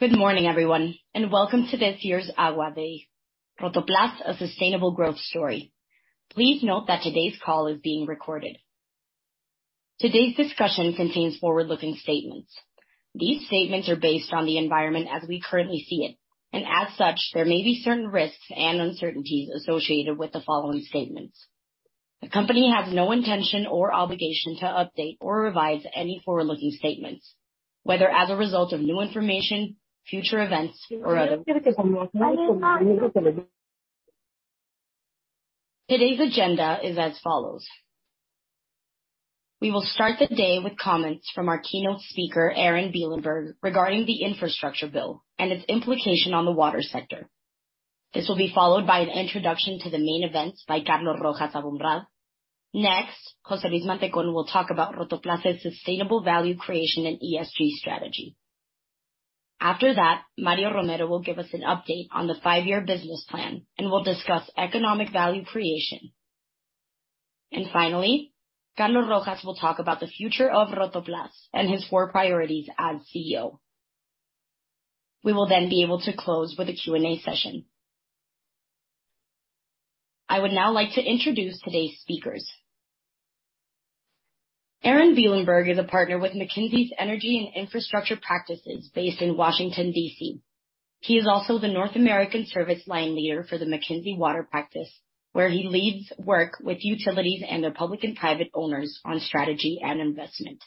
Good morning, everyone, and welcome to this year's Agua Day, Rotoplas, A Sustainable Growth Story. Please note that today's call is being recorded. Today's discussion contains forward-looking statements. These statements are based on the environment as we currently see it. As such, there may be certain risks and uncertainties associated with the following statements. The company has no intention or obligation to update or revise any forward-looking statements, whether as a result of new information, future events or other events. Today's agenda is as follows. We will start the day with comments from our Keynote Speaker, Aaron Bielenberg, regarding the infrastructure bill and its implication on the water sector. This will be followed by an introduction to the main events by Carlos Rojas Aboumrad. Next, José Luis Mantecón will talk about Rotoplas' sustainable value creation and ESG strategy. After that, Mario Romero will give us an update on the five-years business plan and will discuss economic value creation. Finally, Carlos Rojas will talk about the future of Rotoplas and his four priorities as Chief Executive Officer. We will then be able to close with a Q&A session. I would now like to introduce today's speakers. Aaron Bielenberg is a partner with McKinsey's Energy and Infrastructure practices based in Washington, D.C. He is also the North American service line leader for the McKinsey Water Practice, where he leads work with utilities and their public and private owners on strategy and investment.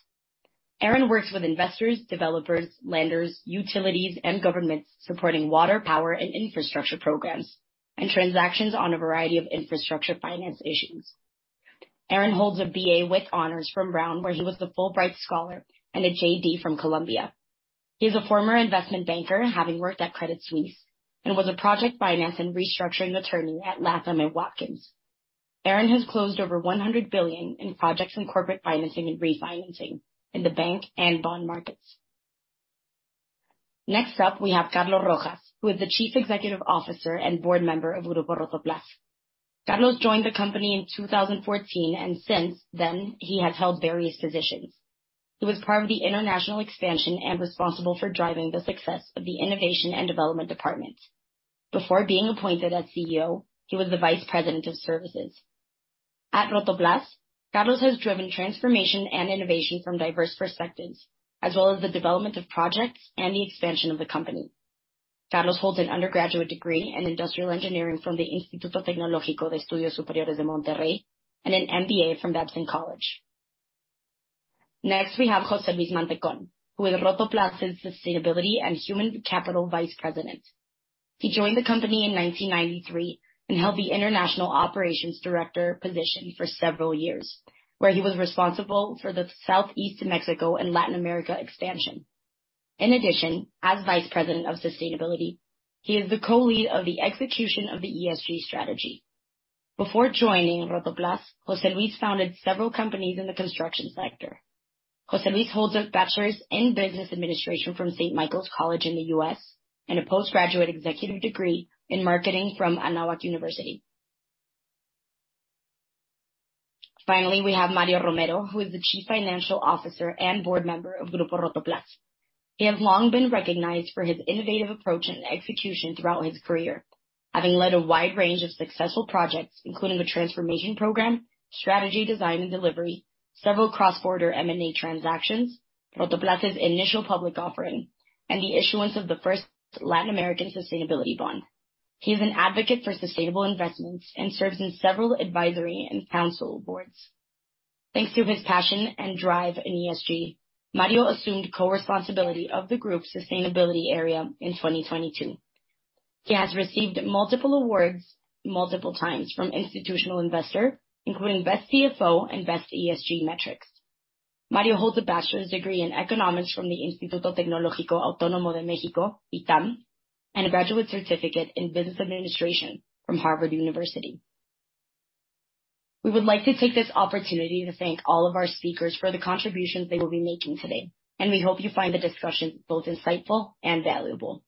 Aaron works with investors, developers, lenders, utilities, and governments supporting water, power, and infrastructure programs, and transactions on a variety of infrastructure finance issues. Aaron holds a BA with honors from Brown, where he was a Fulbright Scholar and a JD from Columbia. He is a former investment banker, having worked at Credit Suisse, and was a project finance and restructuring attorney at Latham & Watkins. Aaron has closed over $100 billion in projects in corporate financing and refinancing in the bank and bond markets. Next up, we have Carlos Rojas, who is the Chief Executive Officer and board member of Grupo Rotoplas. Carlos joined the company in 2014, and since then, he has held various positions. He was part of the international expansion and responsible for driving the success of the innovation and development department. Before being appointed as Chief Executive Officer, he was the vice president of services. At Rotoplas, Carlos has driven transformation and innovation from diverse perspectives, as well as the development of projects and the expansion of the company. Carlos holds an undergraduate degree in industrial engineering from the Instituto Tecnológico de Estudios Superiores de Monterrey and an MBA from Babson College. We have José Luis Mantecón, who is Rotoplas' sustainability and human capital vice president. He joined the company in 1993 and held the international operations director position for several years, where he was responsible for the Southeast Mexico and Latin America expansion. As vice president of sustainability, he is the co-lead of the execution of the ESG strategy. Before joining Rotoplas, José Luis founded several companies in the construction sector. José Luis holds a bachelor's in business administration from Saint Michael's College in the U.S. and a postgraduate executive degree in marketing from Universidad Anáhuac. We have Mario Romero, who is the Chief Financial Officer and board member of Grupo Rotoplas. He has long been recognized for his innovative approach and execution throughout his career, having led a wide range of successful projects, including a transformation program, strategy design and delivery, several cross-border M&A transactions, Rotoplas' initial public offering, and the issuance of the first Latin American sustainability bond. He is an advocate for sustainable investments and serves in several advisory and council boards. Thanks to his passion and drive in ESG, Mario assumed co-responsibility of the group's sustainability area in 2022. He has received multiple awards multiple times from Institutional Investor, including Best Chief Financial Officer and Best ESG Metrics. Mario holds a bachelor's degree in economics from the Instituto Tecnológico Autónomo de México, ITAM, and a graduate certificate in business administration from Harvard University. We would like to take this opportunity to thank all of our speakers for the contributions they will be making today, and we hope you find the discussion both insightful and valuable.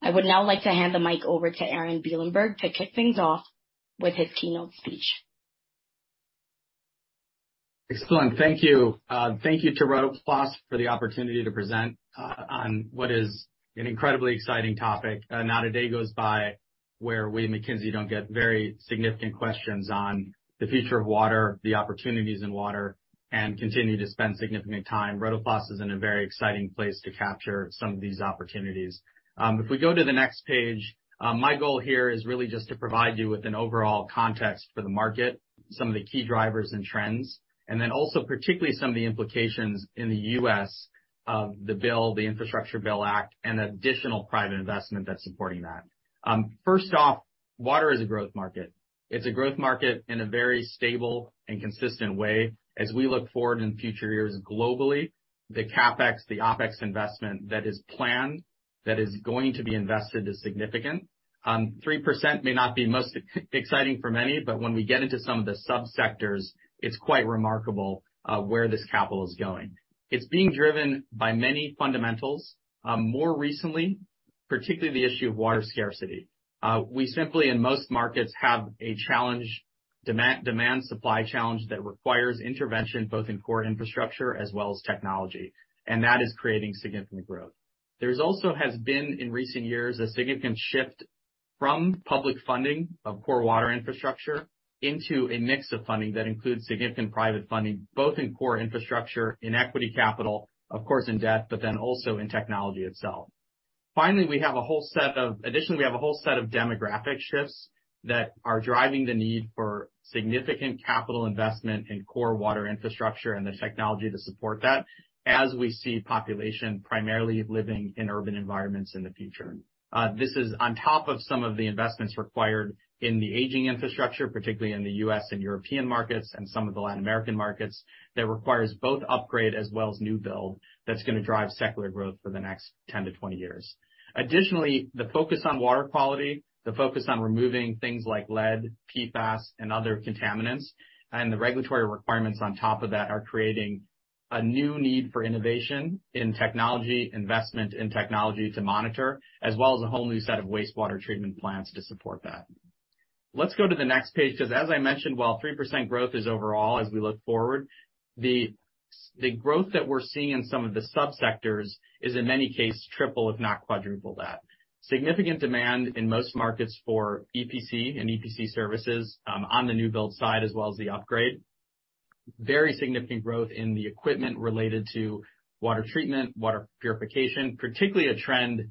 I would now like to hand the mic over to Aaron Bielenberg to kick things off with his keynote speech. Excellent. Thank you. Thank you to Rotoplas for the opportunity to present on what is an incredibly exciting topic. Not a day goes by where we at McKinsey don't get very significant questions on the future of water, the opportunities in water, and continue to spend significant time. Rotoplas is in a very exciting place to capture some of these opportunities. If we go to the next page, my goal here is really just to provide you with an overall context for the market, some of the key drivers and trends, and then also particularly some of the implications in the U.S. of the bill, the Infrastructure Bill Act, and additional private investment that's supporting that. First off, water is a growth market. It's a growth market in a very stable and consistent way. As we look forward in future years globally, the CapEx, the OpEx investment that is planned, that is going to be invested is significant. 3% may not be most exciting for many, but when we get into some of the sub-sectors, it's quite remarkable where this capital is going. It's being driven by many fundamentals. More recently particularly the issue of water scarcity. We simply in most markets have a challenge, demand supply challenge that requires intervention both in core infrastructure as well as technology, and that is creating significant growth. There's also has been in recent years, a significant shift from public funding of poor water infrastructure into a mix of funding that includes significant private funding, both in core infrastructure, in equity capital, of course in debt, but then also in technology itself. Additionally, we have a whole set of demographic shifts that are driving the need for significant capital investment in core water infrastructure and the technology to support that as we see population primarily living in urban environments in the future. This is on top of some of the investments required in the aging infrastructure, particularly in the U.S. and European markets and some of the Latin American markets, that requires both upgrade as well as new build that's gonna drive secular growth for the next 10 to 20 years. Additionally, the focus on water quality, the focus on removing things like lead, PFAS, and other contaminants, and the regulatory requirements on top of that are creating a new need for innovation in technology, investment in technology to monitor, as well as a whole new set of wastewater treatment plants to support that. Let's go to the next page, 'cause as I mentioned, while 3% growth is overall as we look forward, the growth that we're seeing in some of the sub-sectors is in many cases triple if not quadruple that. Significant demand in most markets for EPC and EPC services on the new build side as well as the upgrade. Very significant growth in the equipment related to water treatment, water purification, particularly a trend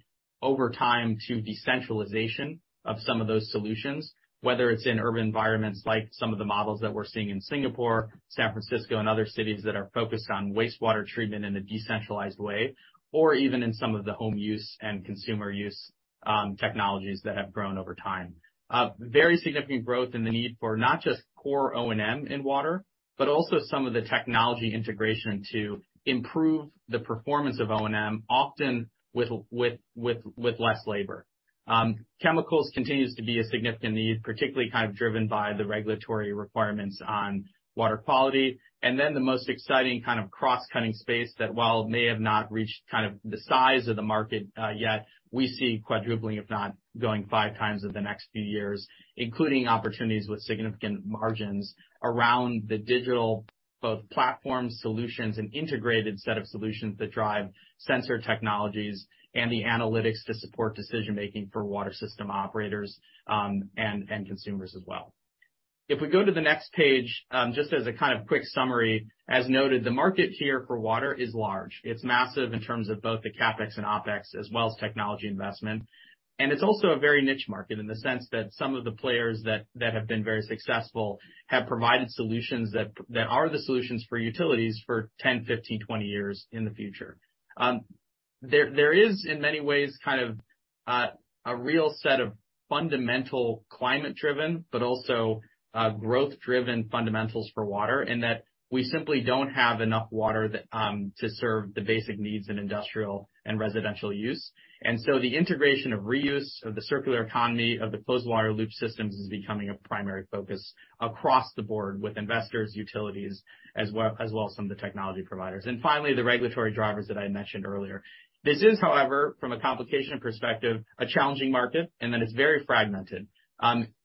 over time to decentralization of some of those solutions, whether it's in urban environments like some of the models that we're seeing in Singapore, San Francisco and other cities that are focused on wastewater treatment in a decentralized way, or even in some of the home use and consumer use technologies that have grown over time. Very significant growth in the need for not just core O&M in water, but also some of the technology integration to improve the performance of O&M, often with less labor. Chemicals continues to be a significant need, particularly kind of driven by the regulatory requirements on water quality. The most exciting kind of cross-cutting space that while may have not reached kind of the size of the market yet, we see quadrupling, if not going five times in the next few years, including opportunities with significant margins around the digital, both platform solutions and integrated set of solutions that drive sensor technologies and the analytics to support decision-making for water system operators and consumers as well. If we go to the next page, just as a kind of quick summary, as noted, the market here for water is large. It's massive in terms of both the CapEx and OpEx, as well as technology investment. It's also a very niche market in the sense that some of the players that have been very successful have provided solutions that are the solutions for utilities for 10, 15, 20 years in the future. There is in many ways kind of a real set of fundamental climate driven, but also growth driven fundamentals for water in that we simply don't have enough water that to serve the basic needs in industrial and residential use. So the integration of reuse of the circular economy of the closed water loop systems is becoming a primary focus across the board with investors, utilities, as well as some of the technology providers. Finally, the regulatory drivers that I mentioned earlier. This is, however, from a complication perspective, a challenging market, and that it's very fragmented.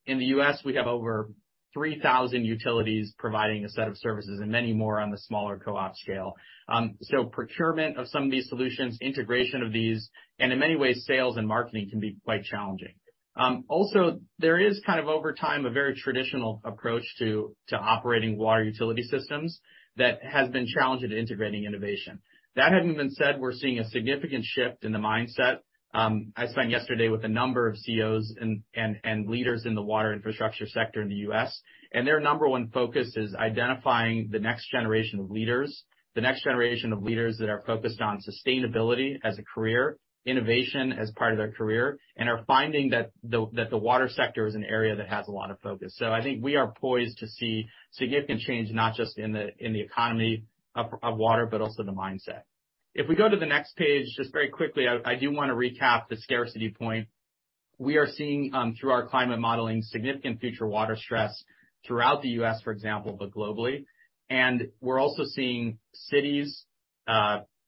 In the U.S., we have over 3,000 utilities providing a set of services and many more on the smaller co-op scale. Procurement of some of these solutions, integration of these, and in many ways, sales and marketing can be quite challenging. Also there is kind of over time, a very traditional approach to operating water utility systems that has been challenged in integrating innovation. That having been said, we're seeing a significant shift in the mindset. I spent yesterday with a number of CEOs and leaders in the water infrastructure sector in the U.S., and their number one focus is identifying the next generation of leaders, the next generation of leaders that are focused on sustainability as a career, innovation as part of their career, and are finding that the water sector is an area that has a lot of focus. I think we are poised to see significant change, not just in the economy of water, but also the mindset. If we go to the next page, just very quickly, I do wanna recap the scarcity point. We are seeing through our climate modeling, significant future water stress throughout the U.S., for example, but globally. We're also seeing cities,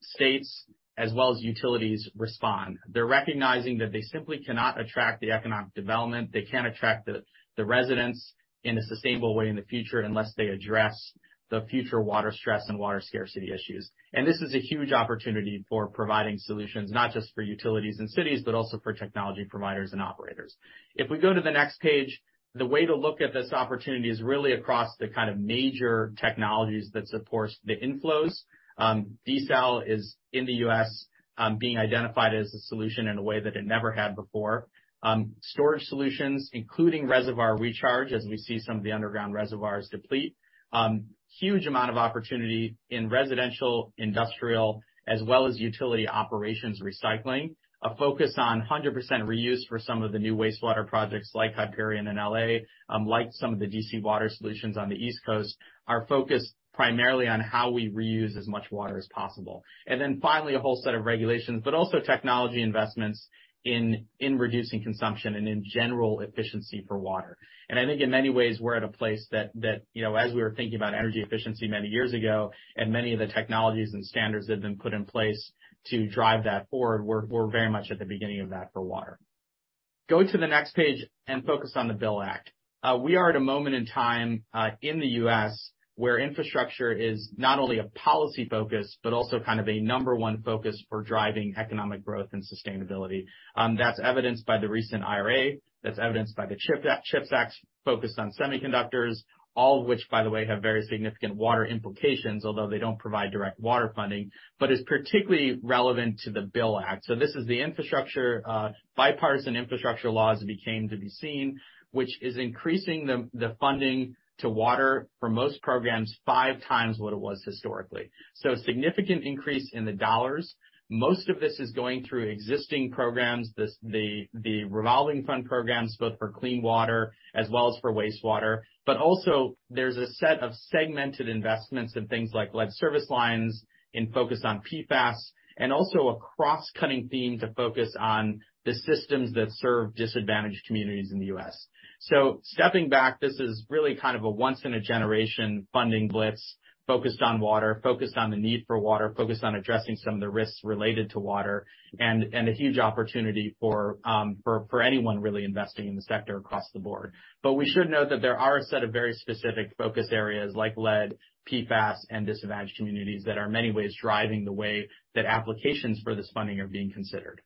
states, as well as utilities respond. They're recognizing that they simply cannot attract the economic development, they can't attract the residents in a sustainable way in the future unless they address the future water stress and water scarcity issues. This is a huge opportunity for providing solutions not just for utilities and cities, but also for technology providers and operators. If we go to the next page, the way to look at this opportunity is really across the kind of major technologies that supports the inflows. Desal is in the U.S., being identified as a solution in a way that it never had before. Storage solutions, including reservoir recharge, as we see some of the underground reservoirs deplete. Huge amount of opportunity in residential, industrial, as well as utility operations recycling. A focus on 100% reuse for some of the new wastewater projects like Hyperion in L.A., like some of the DC Water solutions on the East Coast, are focused primarily on how we reuse as much water as possible. Finally, a whole set of regulations, but also technology investments in reducing consumption and in general efficiency for water. I think in many ways, we're at a place, you know, as we were thinking about energy efficiency many years ago, and many of the technologies and standards that have been put in place to drive that forward, we're very much at the beginning of that for water. Go to the next page and focus on the BIL Act. We are at a moment in time in the U.S., where infrastructure is not only a policy focus but also kind of a number one focus for driving economic growth and sustainability. That's evidenced by the recent IRA, that's evidenced by the CHIPS Act focused on semiconductors, all of which, by the way, have very significant water implications, although they don't provide direct water funding, but is particularly relevant to the BIL Act. This is the infrastructure, Bipartisan Infrastructure laws that came to be seen, which is increasing the funding to water for most programs 5x what it was historically. Significant increase in the dollars. Most of this is going through existing programs, the revolving fund programs, both for clean water as well as for wastewater. Also there's a set of segmented investments in things like lead service lines and focus on PFAS, and also a cross-cutting theme to focus on the systems that serve disadvantaged communities in the U.S., Stepping back, this is really kind of a once-in-a-generation funding blitz focused on water, focused on the need for water, focused on addressing some of the risks related to water, and a huge opportunity for anyone really investing in the sector across the board. We should note that there are a set of very specific focus areas like lead, PFAS, and disadvantaged communities that are in many ways driving the way that applications for this funding are being considered.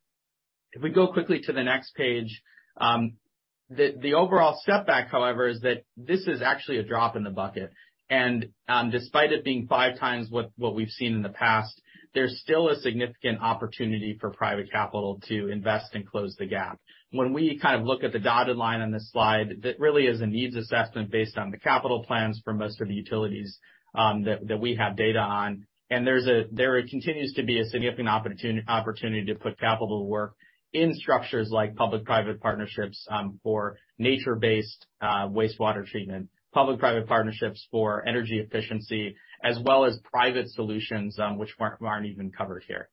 If we go quickly to the next page, the overall step back, however, is that this is actually a drop in the bucket. Despite it being 5x what we've seen in the past, there's still a significant opportunity for private capital to invest and close the gap. When we kind of look at the dotted line on this slide, that really is a needs assessment based on the capital plans for most of the utilities that we have data on. There continues to be a significant opportunity to put capital to work in structures like public-private partnerships for nature-based wastewater treatment, public-private partnerships for energy efficiency, as well as private solutions which aren't even covered here.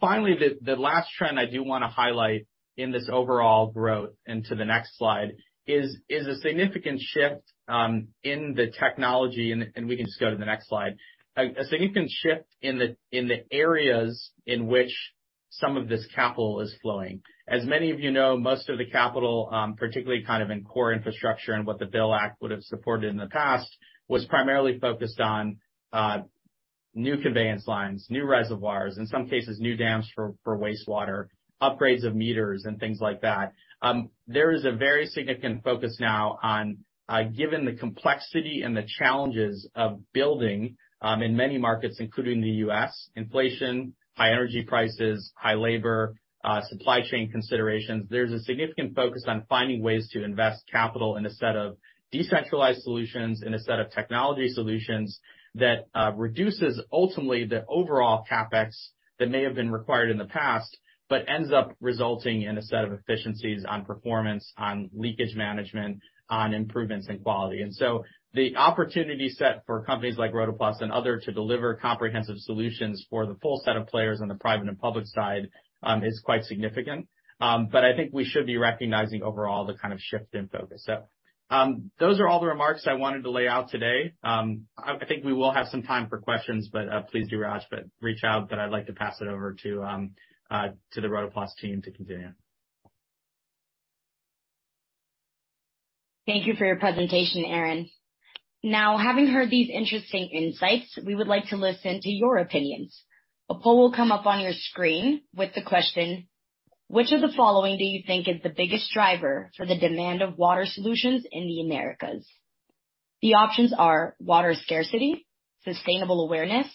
Finally, the last trend I do wanna highlight in this overall growth into the next slide is a significant shift in the technology. We can just go to the next slide. A significant shift in the areas in which some of this capital is flowing. As many of you know, most of the capital, particularly kind of in core infrastructure and what the BIL Act would have supported in the past, was primarily focused on new conveyance lines, new reservoirs, in some cases new dams for wastewater, upgrades of meters and things like that. There is a very significant focus now on given the complexity and the challenges of building in many markets, including the U.S., inflation, high energy prices, high labor, supply chain considerations. There's a significant focus on finding ways to invest capital in a set of decentralized solutions, in a set of technology solutions that reduces ultimately the overall CapEx that may have been required in the past, but ends up resulting in a set of efficiencies on performance, on leakage management, on improvements in quality. The opportunity set for companies like Rotoplas and others to deliver comprehensive solutions for the full set of players on the private and public side, is quite significant. But I think we should be recognizing overall the kind of shift in focus. Those are all the remarks I wanted to lay out today. I think we will have some time for questions, but please do reach out. I'd like to pass it over to the Rotoplas team to continue. Thank you for your presentation, Aaron. Having heard these interesting insights, we would like to listen to your opinions. A poll will come up on your screen with the question: Which of the following do you think is the biggest driver for the demand of water solutions in the Americas? The options are water scarcity, sustainable awareness,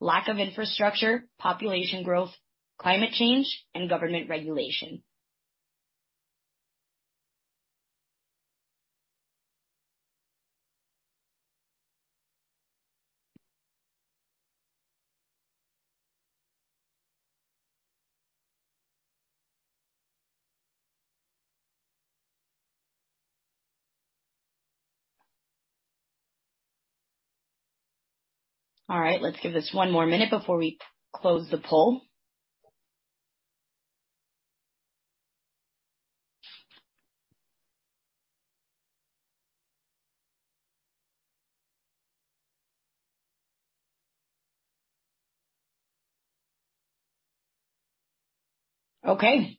lack of infrastructure, population growth, climate change, and government regulation. Let's give this one more minute before we close the poll.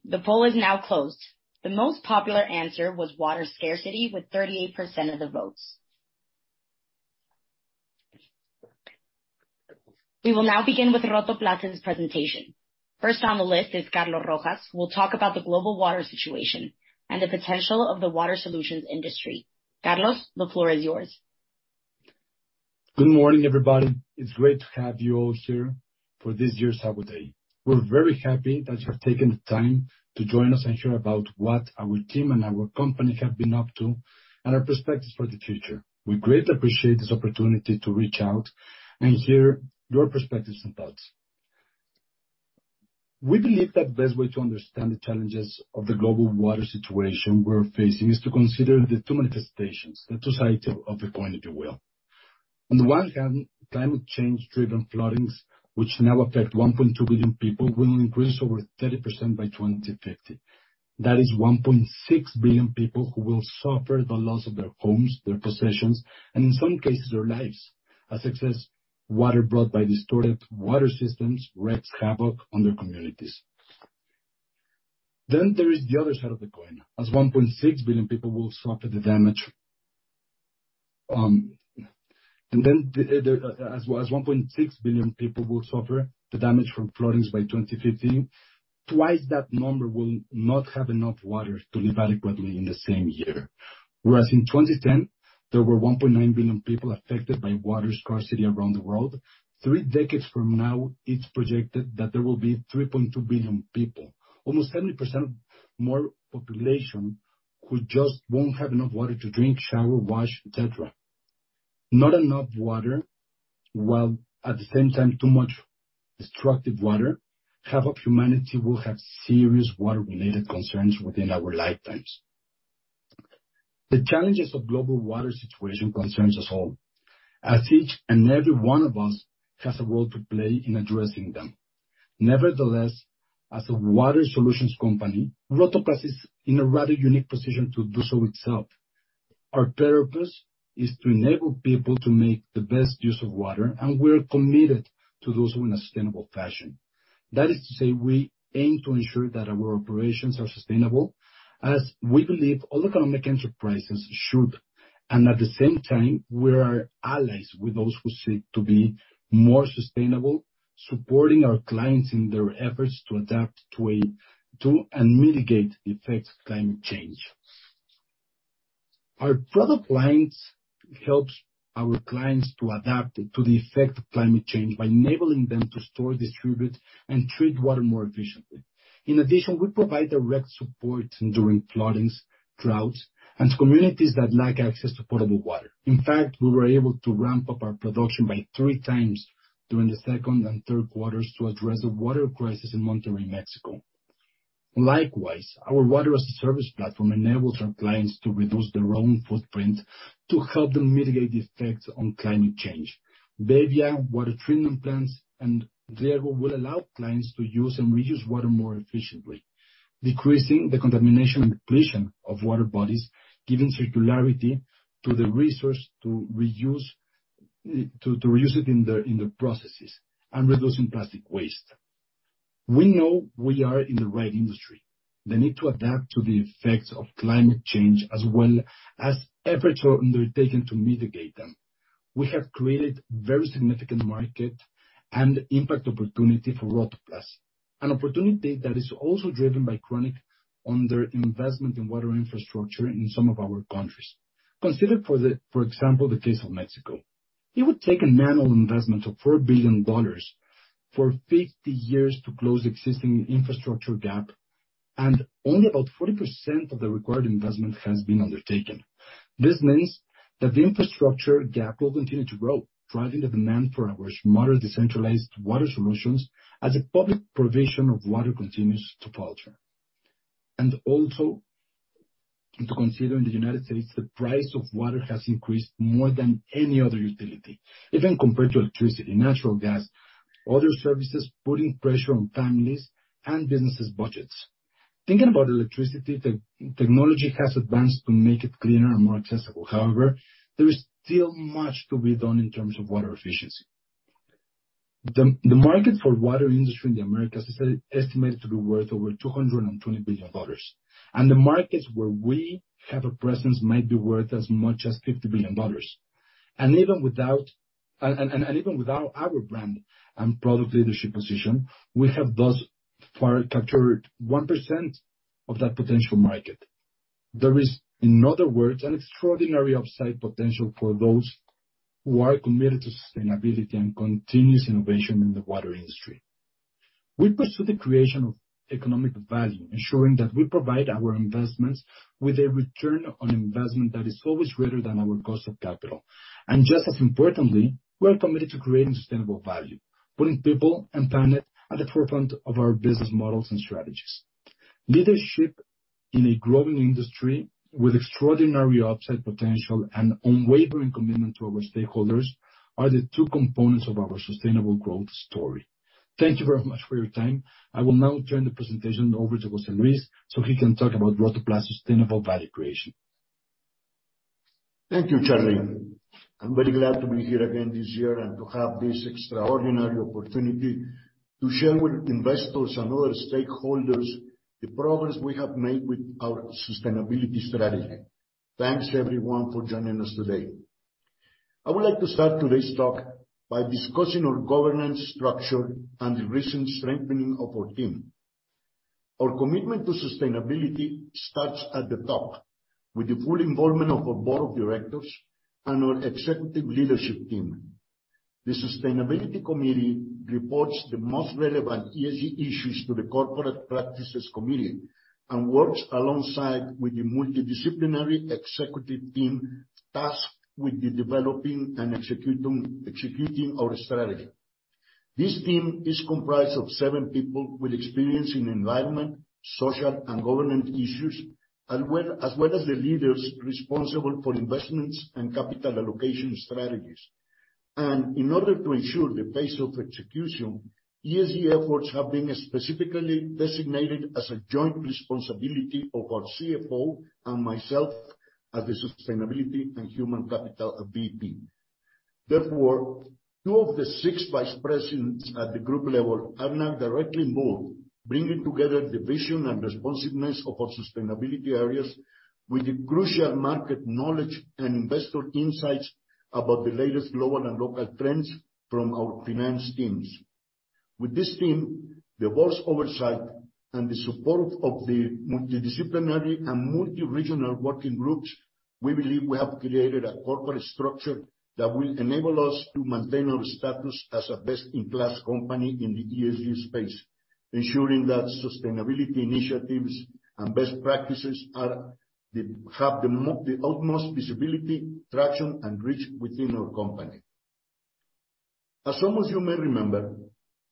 The poll is now closed. The most popular answer was water scarcity with 38% of the votes. We will now begin with Rotoplas' presentation. First on the list is Carlos Rojas, who will talk about the global water situation and the potential of the water solutions industry. Carlos, the floor is yours. Good morning, everybody. It's great to have you all here for this year's Investor Day. We're very happy that you have taken the time to join us and hear about what our team and our company have been up to and our perspectives for the future. We greatly appreciate this opportunity to reach out and hear your perspectives and thoughts. We believe that the best way to understand the challenges of the global water situation we're facing is to consider the two manifestations, the two sides of the coin, if you will. On the one hand, climate change-driven floodings, which now affect 1.2 billion people, will increase over 30% by 2050. That is 1.6 billion people who will suffer the loss of their homes, their possessions, and in some cases, their lives, as excess water brought by distorted water systems wreaks havoc on their communities. There is the other side of the coin, as 1.6 billion people will suffer the damage. As well as 1.6 billion people will suffer the damage from floodings by 2050, twice that number will not have enough water to live adequately in the same year. In 2010, there were 1.9 billion people affected by water scarcity around the world. Three decades from now, it's projected that there will be 3.2 billion people. Almost 70% more population who just won't have enough water to drink, shower, wash, etc. Not enough water, while at the same time, too much destructive water, half of humanity will have serious water-related concerns within our lifetimes. The challenges of global water situation concerns us all, as each and every one of us has a role to play in addressing them. Nevertheless, as a water solutions company, Rotoplas is in a rather unique position to do so itself. Our purpose is to enable people to make the best use of water, and we're committed to do so in a sustainable fashion. That is to say, we aim to ensure that our operations are sustainable, as we believe all economic enterprises should. At the same time, we are allies with those who seek to be more sustainable, supporting our clients in their efforts to adapt to and mitigate the effects of climate change. Our product lines helps our clients to adapt to the effect of climate change by enabling them to store, distribute, and treat water more efficiently. In addition, we provide direct support during floodings, droughts, and to communities that lack access to potable water. In fact, we were able to ramp up our production by 3x during the second and third quarters to address a water crisis in Monterrey, Mexico. Likewise, our water as a service platform enables our clients to reduce their own footprint to help them mitigate the effects on climate change. bebbia water treatment plants and Verdo will allow clients to use and reuse water more efficiently, decreasing the contamination and pollution of water bodies, giving circularity to the resource to reuse, to reuse it in the, in the processes, and reducing plastic waste. We know we are in the right industry. The need to adapt to the effects of climate change, as well as efforts undertaken to mitigate them. We have created very significant market and impact opportunity for Rotoplas, an opportunity that is also driven by chronic underinvestment in water infrastructure in some of our countries. Consider for example, the case of Mexico. It would take an annual investment of $4 billion for 50 years to close existing infrastructure gap. Only about 40% of the required investment has been undertaken. This means that the infrastructure gap will continue to grow, driving the demand for our smarter decentralized water solutions as the public provision of water continues to falter. Also to consider in the United States, the price of water has increased more than any other utility, even compared to electricity, natural gas, other services, putting pressure on families and businesses' budgets. Thinking about electricity, technology has advanced to make it cleaner and more accessible. However, there is still much to be done in terms of water efficiency. The market for water industry in the Americas is estimated to be worth over $220 billion, and the markets where we have a presence might be worth as much as $50 billion. Even without our brand and product leadership position, we have thus far captured 1% of that potential market. There is, in other words, an extraordinary upside potential for those who are committed to sustainability and continuous innovation in the water industry. We pursue the creation of economic value, ensuring that we provide our investments with a return on investment that is always greater than our cost of capital. Just as importantly, we are committed to creating sustainable value, putting people and planet at the forefront of our business models and strategies. Leadership in a growing industry with extraordinary upside potential and unwavering commitment to our stakeholders are the two components of our sustainable growth story. Thank you very much for your time. I will now turn the presentation over to José Luis so he can talk about Rotoplas' sustainable value creation. Thank you, Carlos. I'm very glad to be here again this year and to have this extraordinary opportunity to share with investors and other stakeholders the progress we have made with our sustainability strategy. Thanks everyone for joining us today. I would like to start today's talk by discussing our governance structure and the recent strengthening of our team. Our commitment to sustainability starts at the top with the full involvement of our board of directors and our executive leadership team. The sustainability committee reports the most relevant ESG issues to the Corporate Practices Committee and works alongside with the multidisciplinary executive team tasked with the developing and executing our strategy. This team is comprised of seven people with experience in environment, social, and governance issues, and well, as well as the leaders responsible for investments and capital allocation strategies. In order to ensure the pace of execution, ESG efforts have been specifically designated as a joint responsibility of our Chief Financial Officer and myself as the Sustainability and Human Capital VP. Therefore, two of the six Vice Presidents at the group level are now directly involved, bringing together the vision and responsiveness of our sustainability areas with the crucial market knowledge and investor insights about the latest global and local trends from our finance teams. With this team, the board's oversight, and the support of the multidisciplinary and multi-regional working groups, we believe we have created a corporate structure that will enable us to maintain our status as a best-in-class company in the ESG space, ensuring that sustainability initiatives and best practices have the utmost visibility, traction, and reach within our company. As some of you may remember,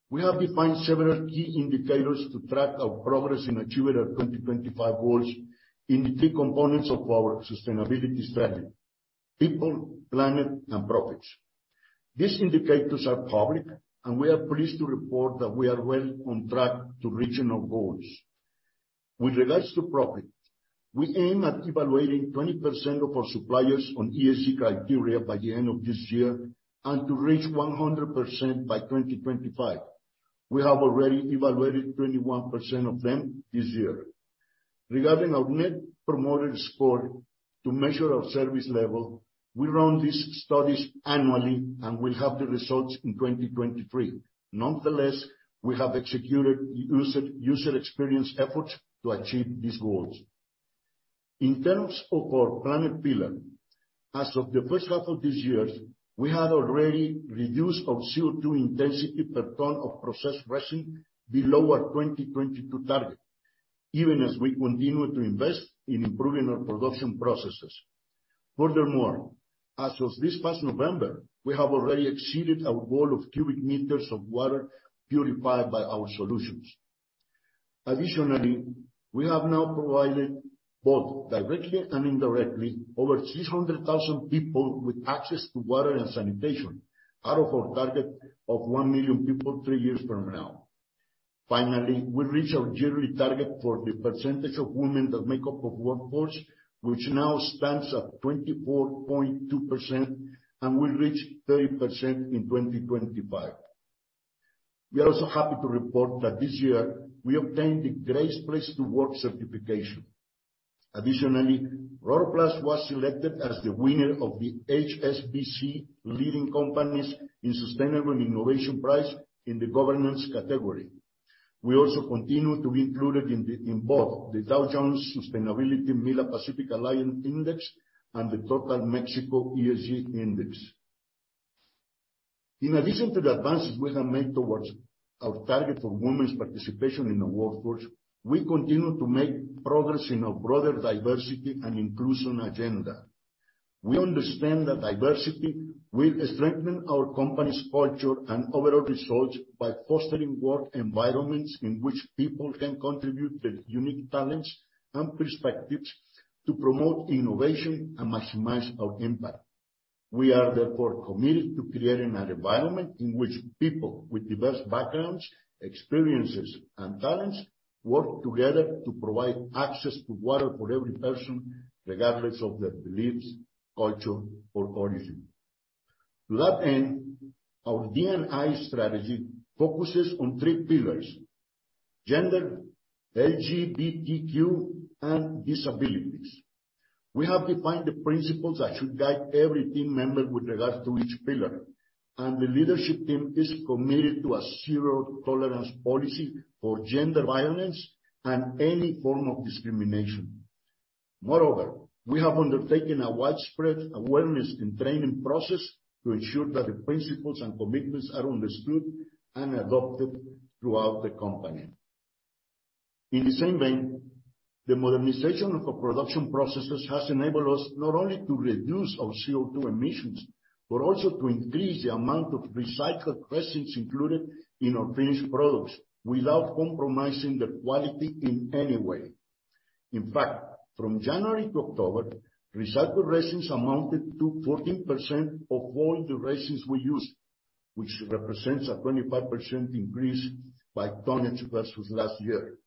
we have defined several key indicators to track our progress in achieving our 2025 goals in the three components of our sustainability strategy: people, planet, and profits. These indicators are public, and we are pleased to report that we are well on track to reaching our goals. With regards to profit, we aim at evaluating 20% of our suppliers on ESG criteria by the end of this year, and to reach 100% by 2025. We have already evaluated 21% of them this year. Regarding our net promoter score to measure our service level, we run these studies annually, and we'll have the results in 2023. Nonetheless, we have executed user experience efforts to achieve these goals. In terms of our planet pillar, as of the first half of this year, we had already reduced our CO2 intensity per ton of processed resin below our 2022 target, even as we continue to invest in improving our production processes. As of this past November, we have already exceeded our goal of cubic meters of water purified by our solutions. We have now provided, both directly and indirectly, over 300,000 people with access to water and sanitation out of our target of 1,000,000 people three-years from now. We reached our yearly target for the percentage of women that make up our workforce, which now stands at 24.2% and will reach 30% in 2025. We are also happy to report that this year we obtained the Great Place to Work certification. Additionally, Rotoplas was selected as the winner of the HSBC Leading Companies in Sustainable Innovation Award in the governance category. We also continue to be included in both the Dow Jones Sustainability MILA Pacific Alliance Index and the Total Mexico ESG Index. In addition to the advances we have made towards our target for women's participation in the workforce, we continue to make progress in our broader diversity and inclusion agenda. We understand that diversity will strengthen our company's culture and overall results by fostering work environments in which people can contribute their unique talents and perspectives to promote innovation and maximize our impact. We are therefore committed to creating an environment in which people with diverse backgrounds, experiences, and talents work together to provide access to water for every person, regardless of their beliefs, culture, or origin. To that end, our D&I strategy focuses on 3 pillars: gender, LGBTQ, and disabilities. We have defined the principles that should guide every team member with regards to each pillar, and the leadership team is committed to a zero-tolerance policy for gender violence and any form of discrimination. Moreover, we have undertaken a widespread awareness and training process to ensure that the principles and commitments are understood and adopted throughout the company. In the same vein, the modernization of our production processes has enabled us not only to reduce our CO2 emissions, but also to increase the amount of recycled resins included in our finished products without compromising the quality in any way. In fact, from January to October, recycled resins amounted to 14% of all the resins we used, which represents a 25% increase by tonnage versus last year.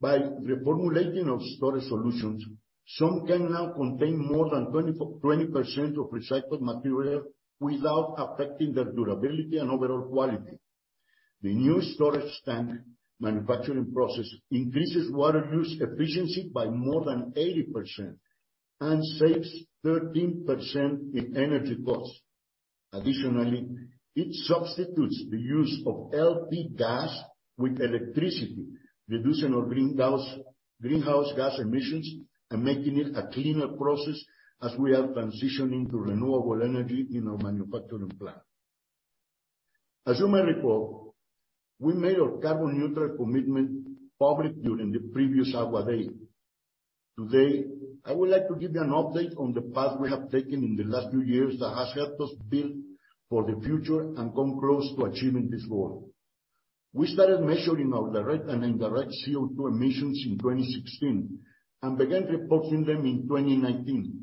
By reformulating our storage solutions, some can now contain more than 20% of recycled material without affecting their durability and overall quality. The new storage tank manufacturing process increases water use efficiency by more than 80% and saves 13% in energy costs. Additionally, it substitutes the use of LP gas with electricity, reducing our greenhouse gas emissions and making it a cleaner process as we are transitioning to renewable energy in our manufacturing plant. As you may recall, we made our carbon neutral commitment public during the previous AGUA Day. Today, I would like to give you an update on the path we have taken in the last few years that has helped us build for the future and come close to achieving this goal. We started measuring our direct and indirect CO2 emissions in 2016 and began reporting them in 2019.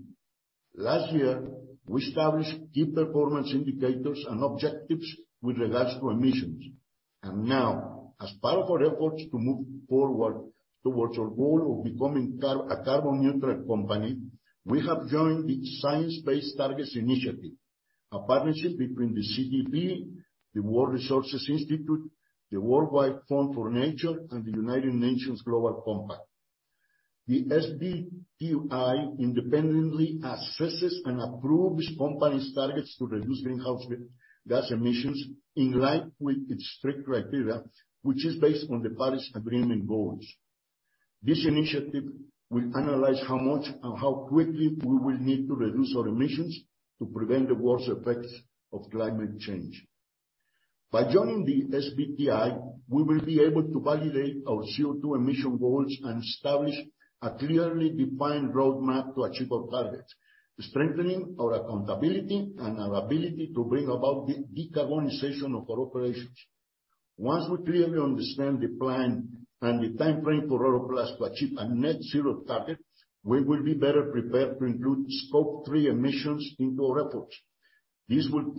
Last year, we established key performance indicators and objectives with regards to emissions. Now, as part of our efforts to move forward towards our goal of becoming a carbon neutral company, we have joined the Science Based Targets initiative, a partnership between the CDP, the World Resources Institute, the World Wide Fund for Nature, and the United Nations Global Compact. The SBTi independently assesses and approves companies' targets to reduce greenhouse gas emissions in line with its strict criteria, which is based on the Paris Agreement goals. This initiative will analyze how much and how quickly we will need to reduce our emissions to prevent the worst effects of climate change. By joining the SBTi, we will be able to validate our CO2 emission goals and establish a clearly defined roadmap to achieve our targets, strengthening our accountability and our ability to bring about decarbonization of our operations. Once we clearly understand the plan and the timeframe for Aurubis to achieve a net zero target, we will be better prepared to include Scope 3 emissions into our efforts. This will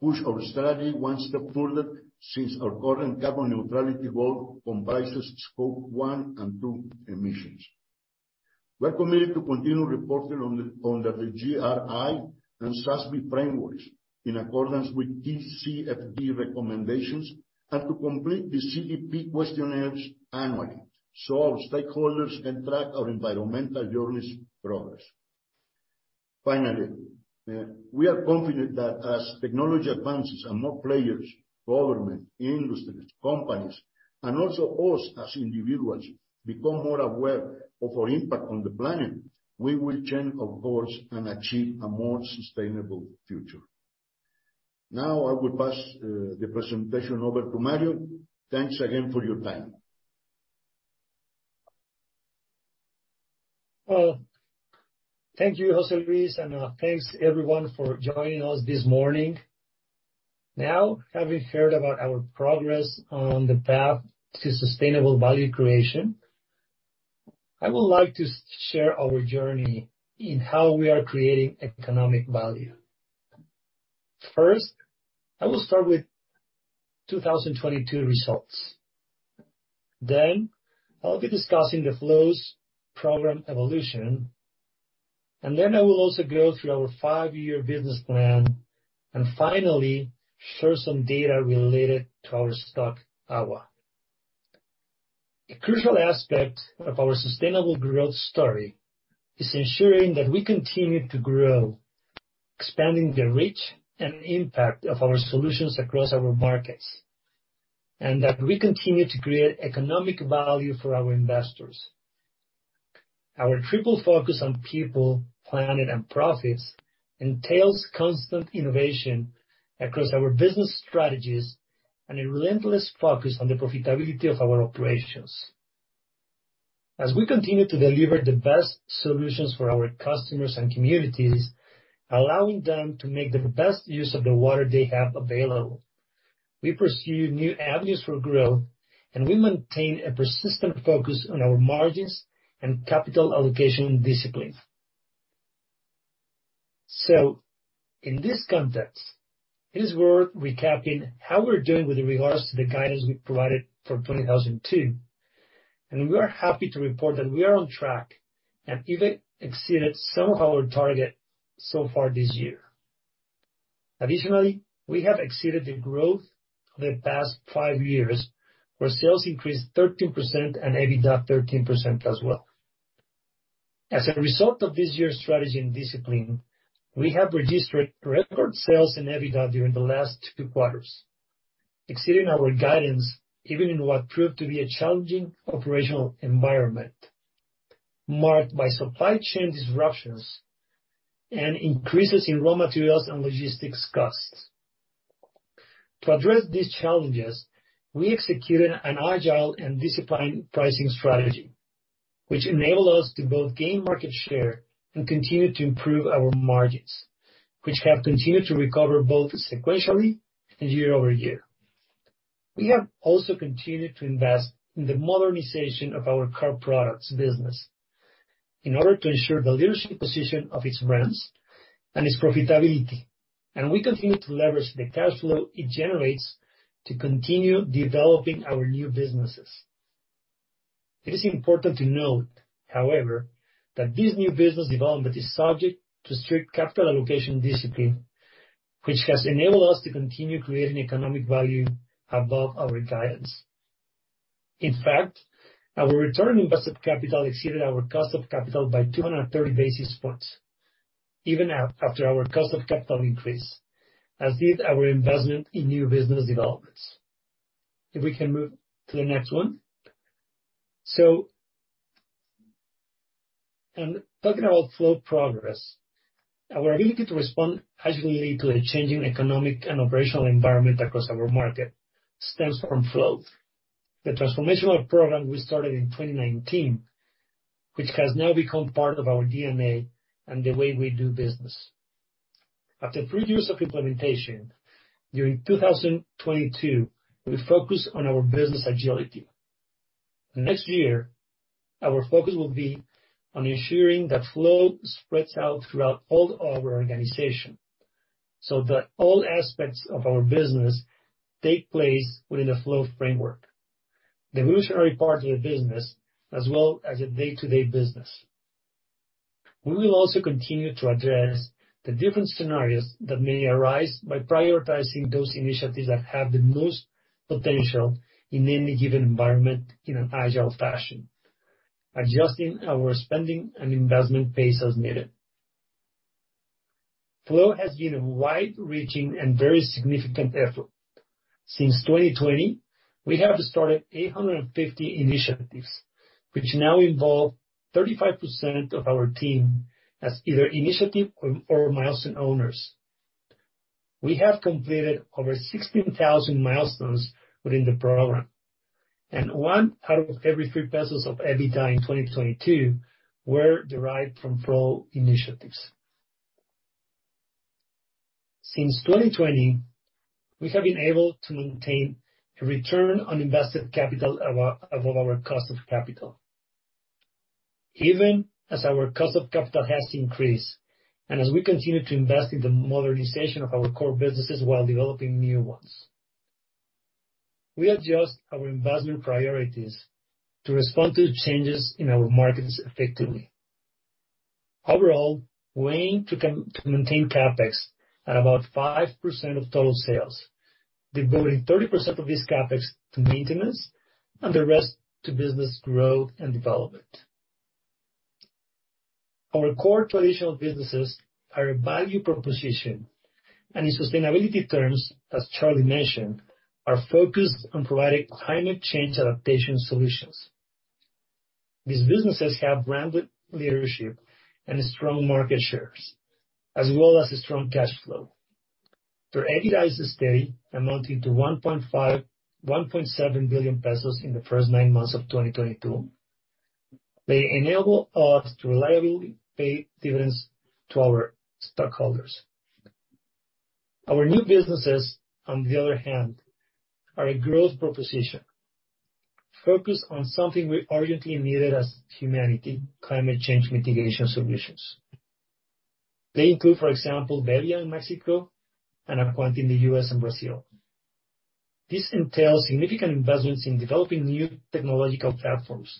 push our strategy one step further since our current carbon neutrality goal comprises Scope 1 and 2 emissions. We're committed to continue reporting on the GRI and SASB frameworks in accordance with TCFD recommendations, and to complete the CDP questionnaires annually so our stakeholders can track our environmental journeys progress. Finally, we are confident that as technology advances and more players, government, industries, companies, and also us as individuals, become more aware of our impact on the planet, we will change our course and achieve a more sustainable future. Now I will pass the presentation over to Mario. Thanks again for your time. Well, thank you, José Luis. Thanks everyone for joining us this morning. Having heard about our progress on the path to sustainable value creation, I would like to share our journey in how we are creating economic value. I will start with 2022 results. I'll be discussing the Flow program evolution. Then I will also go through our five-year business plan. Finally, share some data related to our stock, AGUA. A crucial aspect of our sustainable growth story is ensuring that we continue to grow, expanding the reach and impact of our solutions across our markets, that we continue to create economic value for our investors. Our triple focus on people, planet, and profits entails constant innovation across our business strategies and a relentless focus on the profitability of our operations. As we continue to deliver the best solutions for our customers and communities, allowing them to make the best use of the water they have available, we pursue new avenues for growth, and we maintain a persistent focus on our margins and capital allocation discipline. In this context, it is worth recapping how we're doing with regards to the guidance we provided for 2022, and we are happy to report that we are on track and even exceeded some of our targets so far this year. Additionally, we have exceeded the growth of the past five years, where sales increased 13% and EBITDA 13% as well. As a result of this year's strategy and discipline, we have registered record sales and EBITDA during the last two quarters, exceeding our guidance even in what proved to be a challenging operational environment marked by supply chain disruptions and increases in raw materials and logistics costs. To address these challenges, we executed an agile and disciplined pricing strategy, which enabled us to both gain market share and continue to improve our margins, which have continued to recover both sequentially and year-over-year. We have also continued to invest in the modernization of our core products business in order to ensure the leadership position of its brands and its profitability. We continue to leverage the cash flow it generates to continue developing our new businesses. It is important to note, however, that this new business development is subject to strict capital allocation discipline, which has enabled us to continue creating economic value above our guidance. In fact, our return on invested capital exceeded our cost of capital by 230 basis points, even after our cost of capital increase, as did our investment in new business developments. If we can move to the next one. Talking about Flow progress, our ability to respond agilely to a changing economic and operational environment across our market stems from Flow, the transformational program we started in 2019, which has now become part of our DNA and the way we do business. After three-years of implementation, during 2022, we focused on our business agility. Next year, our focus will be on ensuring that Flow spreads out throughout all our organization, so that all aspects of our business take place within a Flow framework. The evolutionary part of the business, as well as the day-to-day business. We will also continue to address the different scenarios that may arise by prioritizing those initiatives that have the most potential in any given environment in an agile fashion, adjusting our spending and investment pace as needed. Flow has been a wide-reaching and very significant effort. Since 2020, we have started 850 initiatives, which now involve 35% of our team as either initiative or milestone owners. We have completed over 16,000 milestones within the program, and 1 out of every 3 pesos of EBITDA in 2022 were derived from Flow initiatives. Since 2020, we have been able to maintain a return on invested capital above our cost of capital. Even as our cost of capital has increased, and as we continue to invest in the modernization of our core businesses while developing new ones. We adjust our investment priorities to respond to changes in our markets effectively. Overall, we aim to maintain CapEx at about 5% of total sales, devoting 30% of this CapEx to maintenance and the rest to business growth and development. Our core traditional businesses are a value proposition, and in sustainability terms, as Carlos mentioned, are focused on providing climate change adaptation solutions. These businesses have brand leadership and strong market shares, as well as a strong cash flow. Their EBITDAs stay amounting to 1.7 billion pesos in the first nine months of 2022. They enable us to reliably pay dividends to our stockholders. Our new businesses, on the other hand, are a growth proposition, focused on something we urgently needed as humanity, climate change mitigation solutions. They include, for example, bebbia in Mexico and Acuantia in the U.S., and Brazil. This entails significant investments in developing new technological platforms,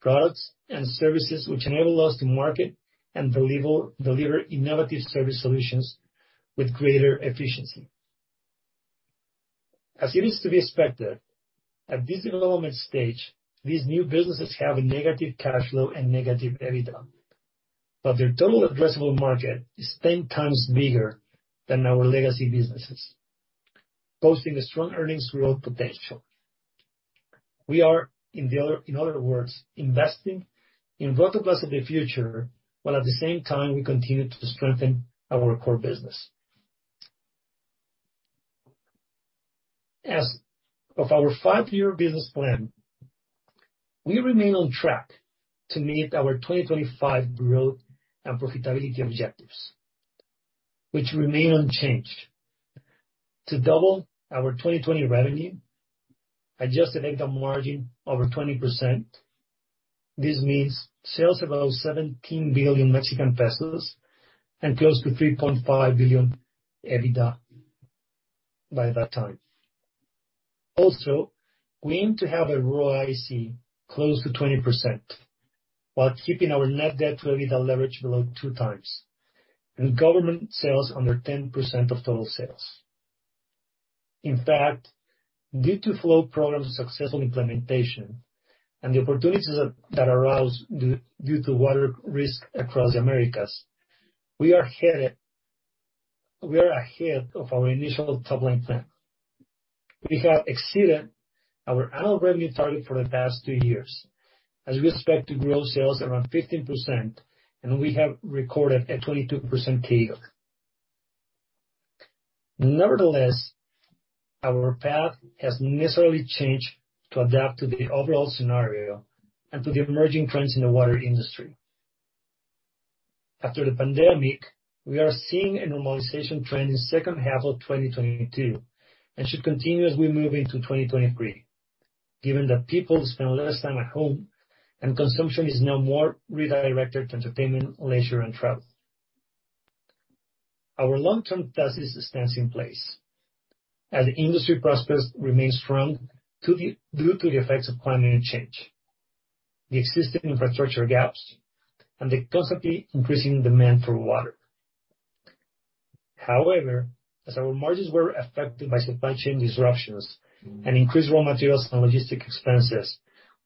products and services which enable us to market and deliver innovative service solutions with greater efficiency. As it is to be expected, at this development stage, these new businesses have a negative cash flow and negative EBITDA. Their total addressable market is 10 times bigger than our legacy businesses, posing a strong earnings growth potential. We are, in other words, investing in what occurs in the future, while at the same time we continue to strengthen our core business. As of our five-year business plan, we remain on track to meet our 2025 growth and profitability objectives, which remain unchanged. To double our 2020 revenue, adjusted income margin over 20%. This means sales above 17 billion Mexican pesos and close to 3.5 billion EBITDA by that time. We aim to have a ROIC close to 20% while keeping our net debt to EBITDA leverage below 2x, and government sales under 10% of total sales. In fact, due to Flow programs' successful implementation and the opportunities that arose due to water risk across the Americas, we are ahead of our initial top-line plan. We have exceeded our annual revenue target for the past two years, as we expect to grow sales around 15%, and we have recorded a 22% CAGR. Nevertheless, our path has necessarily changed to adapt to the overall scenario and to the emerging trends in the water industry. After the pandemic, we are seeing a normalization trend in second half of 2022, and should continue as we move into 2023, given that people spend less time at home and consumption is now more redirected to entertainment, leisure, and travel. Our long-term thesis stands in place as industry prospects remain strong due to the effects of climate change, the existing infrastructure gaps, and the constantly increasing demand for water. However, as our margins were affected by supply chain disruptions and increased raw materials and logistic expenses,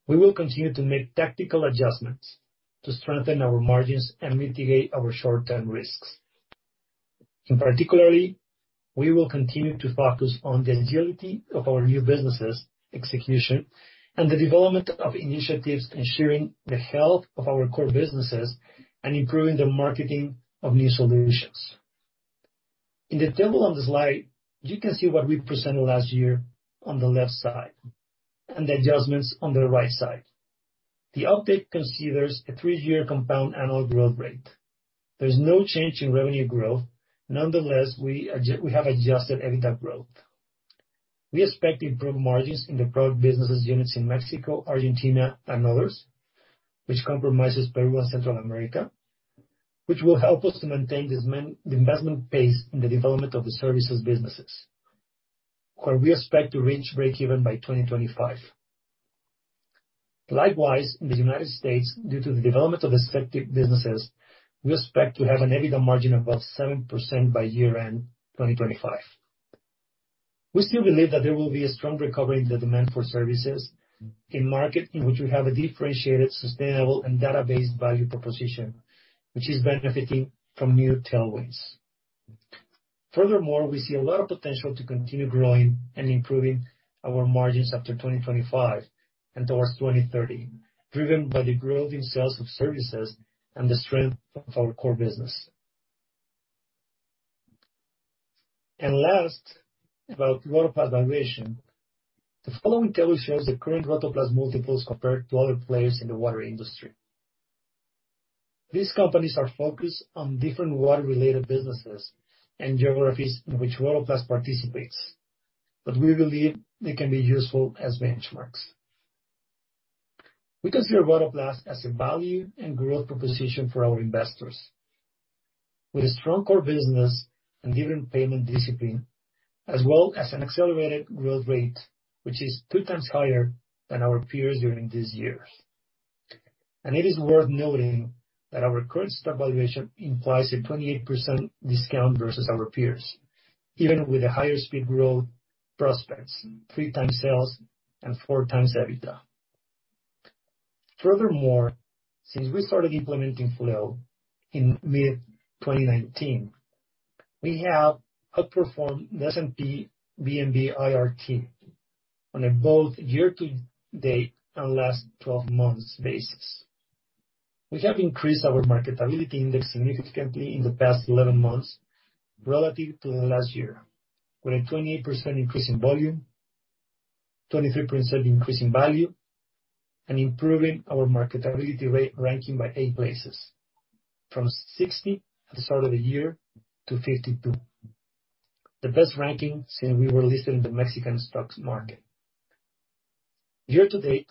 we will continue to make tactical adjustments to strengthen our margins and mitigate our short-term risks. In particular, we will continue to focus on the agility of our new businesses' execution and the development of initiatives ensuring the health of our core businesses and improving the marketing of new solutions. In the table on the slide, you can see what we presented last year on the left side and the adjustments on the right side. The update considers a three-year Compound Annual Growth Rate. There's no change in revenue growth. Nonetheless, we have adjusted EBITDA growth. We expect to improve margins in the product businesses units in Mexico, Argentina, and others, which compromises Peru and Central America, which will help us to maintain this the investment pace in the development of the services businesses, where we expect to reach break-even by 2025. Likewise, in the United States, due to the development of the sector businesses, we expect to have an EBITDA margin above 7% by year-end 2025. We still believe that there will be a strong recovery in the demand for services in market, in which we have a differentiated, sustainable, and data-based value proposition, which is benefiting from new tailwinds. Furthermore, we see a lot of potential to continue growing and improving our margins after 2025 and towards 2030, driven by the growth in sales of services and the strength of our core business. Last, about Rotoplas valuation. The following table shows the current Rotoplas multiples compared to other players in the water industry. These companies are focused on different water-related businesses and geographies in which Rotoplas participates, but we believe they can be useful as benchmarks. We consider Rotoplas as a value and growth proposition for our investors. With a strong core business and given payment discipline, as well as an accelerated growth rate, which is 2x higher than our peers during these years. It is worth noting that our current stock valuation implies a 28% discount versus our peers, even with the higher speed growth prospects, 3x sales and 4x EBITDA. Furthermore, since we started implementing Flow in mid-2019, we have outperformed the S&P BMV IRT on a both year-to-date and last-12-months basis. We have increased our marketability index significantly in the past 11 months relative to the last year, with a 28% increase in volume, 23% increase in value, and improving our marketability rate ranking by eight places from 60 at the start of the year to 52. The best ranking since we were listed in the Mexican Stock Exchange. Year to date,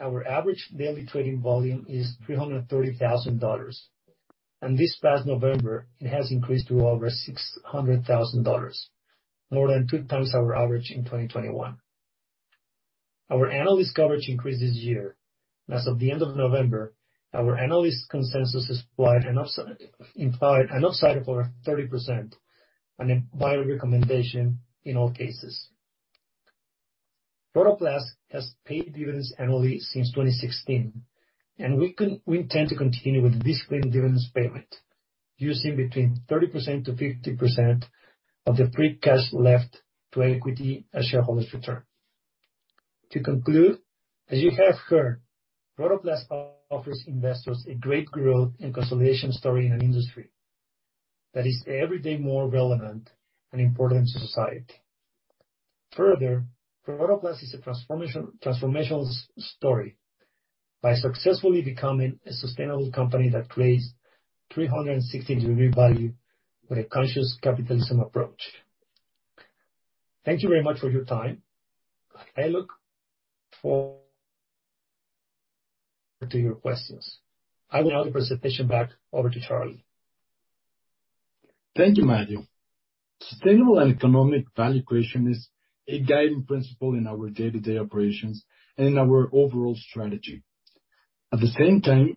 our average daily trading volume is $330,000, and this past November, it has increased to over $600,000, more than 2x our average in 2021. Our analyst coverage increased this year, and as of the end of November, our analyst consensus is wide and implied an upside of over 30% on a buyer recommendation in all cases. Rotoplas has paid dividends annually since 2016. We intend to continue with disciplined dividends payment, using between 30% to 50% of the free cash left to equity as shareholders return. To conclude, as you have heard, Rotoplas offers investors a great growth and consolidation story in an industry that is every day more relevant and important to society. Further, Rotoplas is a transformational story by successfully becoming a sustainable company that creates 360-degree value with a conscious capitalism approach. Thank you very much for your time. I look forward to your questions. I will now hand the presentation back over to Carlos Thank you, Mario. Sustainable and economic value creation is a guiding principle in our day-to-day operations and in our overall strategy. At the same time,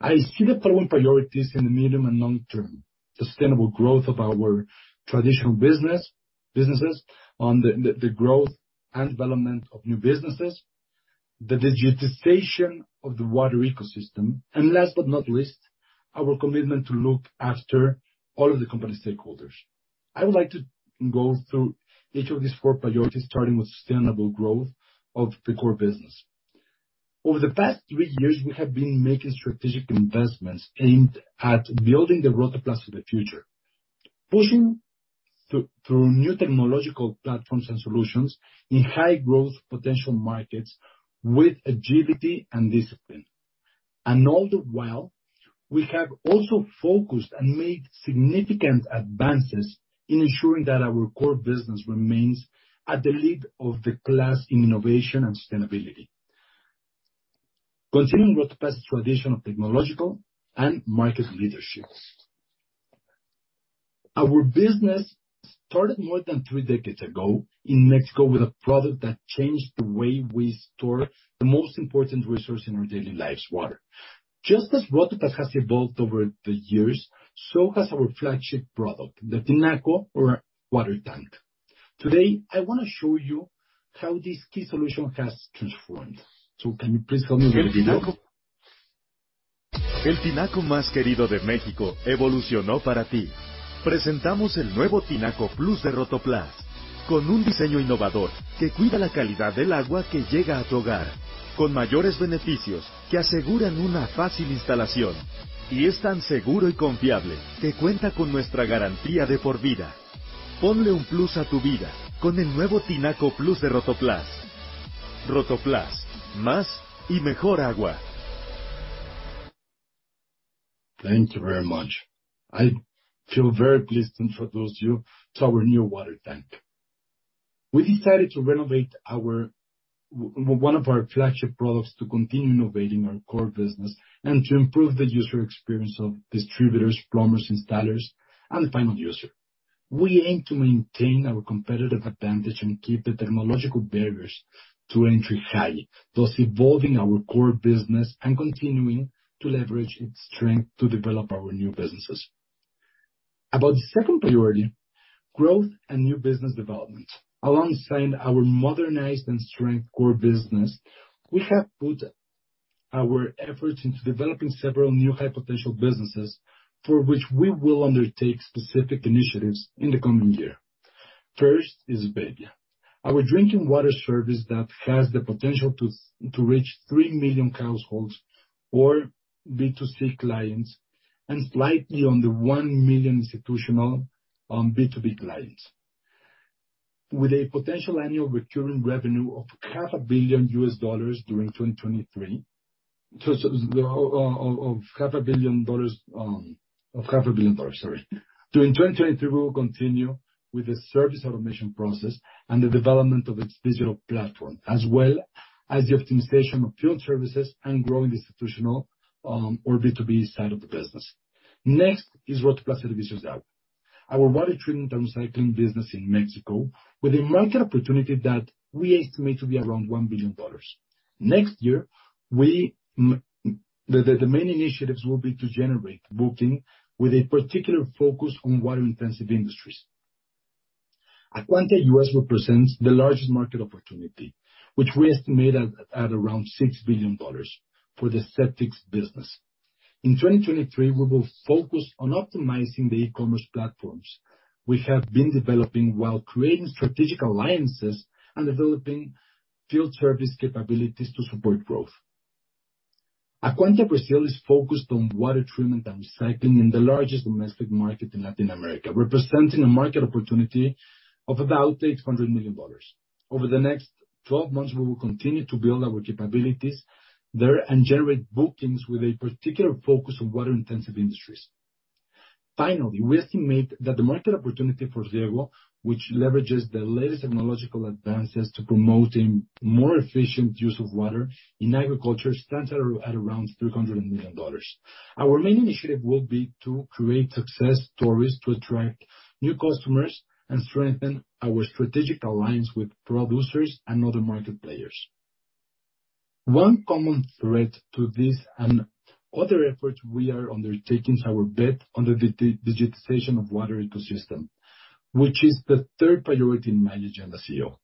I see the following priorities in the medium and long term: sustainable growth of our traditional business, businesses on the growth and development of new businesses, the digitization of the water ecosystem, last but not least, our commitment to look after all of the company stakeholders. I would like to go through each of these four priorities, starting with sustainable growth of the core business. Over the past three years, we have been making strategic investments aimed at building the Rotoplas of the future, pushing through new technological platforms and solutions in high growth potential markets with agility and discipline. All the while, we have also focused and made significant advances in ensuring that our core business remains at the lead of the class in innovation and sustainability. Continuing Rotoplas's tradition of technological and market leadership. Our business started more than three decades ago in Mexico with a product that changed the way we store the most important resource in our daily lives, water. Just as Rotoplas has evolved over the years, so has our flagship product, the Tinaco or water tank. Today, I wanna show you how this key solution has transformed. Can you please show me the video? El Tinaco más querido de México evolucionó para ti. Presentamos el nuevo Tinaco Plus+ de Rotoplas. Con un diseño innovador que cuida la calidad del agua que llega a tu hogar. Con mayores beneficios que aseguran una fácil instalación. Es tan seguro y confiable que cuenta con nuestra garantía de por vida. Ponle un Plus a tu vida con el nuevo Tinaco Plus+ de Rotoplas. Rotoplas, más y mejor agua Thank you very much. I feel very pleased to introduce you to our new water tank. We decided to renovate one of our flagship products to continue innovating our core business and to improve the user experience of distributors, plumbers, installers, and the final user. We aim to maintain our competitive advantage and keep the technological barriers to entry high, thus evolving our core business and continuing to leverage its strength to develop our new businesses. About the second priority, growth and new business development. Alongside our modernized and strength core business, we have put our efforts into developing several new high potential businesses for which we will undertake specific initiatives in the coming year. First is bebia. Our drinking water service that has the potential to reach 3 million households or B2C clients, and slightly under 1 million institutional B2B clients. With a potential annual recurring revenue of $0.5 billion during 2023. Of $0.5 billion, sorry. During 2023, we will continue with the service automation process and the development of its digital platform, as well as the optimization of field services and growing institutional or B2B side of the business. Rotoplas Services Hub, our water treatment and recycling business in Mexico with a market opportunity that we estimate to be around $1 billion. Next year, the main initiatives will be to generate booking with a particular focus on water-intensive industries. Acuantia U.S., represents the largest market opportunity, which we estimate at around $6 billion for the septics business. In 2023, we will focus on optimizing the e-commerce platforms we have been developing while creating strategic alliances and developing field service capabilities to support growth. Acuantia Brazil is focused on water treatment and recycling in the largest domestic market in Latin America, representing a market opportunity of about $800 million. Over the next 12 months, we will continue to build our capabilities there and generate bookings with a particular focus on water-intensive industries. We estimate that the market opportunity for Riego, which leverages the latest technological advances to promoting more efficient use of water in agriculture, stands at around $300 million. Our main initiative will be to create success stories to attract new customers and strengthen our strategic alliance with producers and other market players. One common thread to this and other efforts we are undertaking is our bet on the digitization of water ecosystem, which is the third priority in my agenda Chief Executive Officer.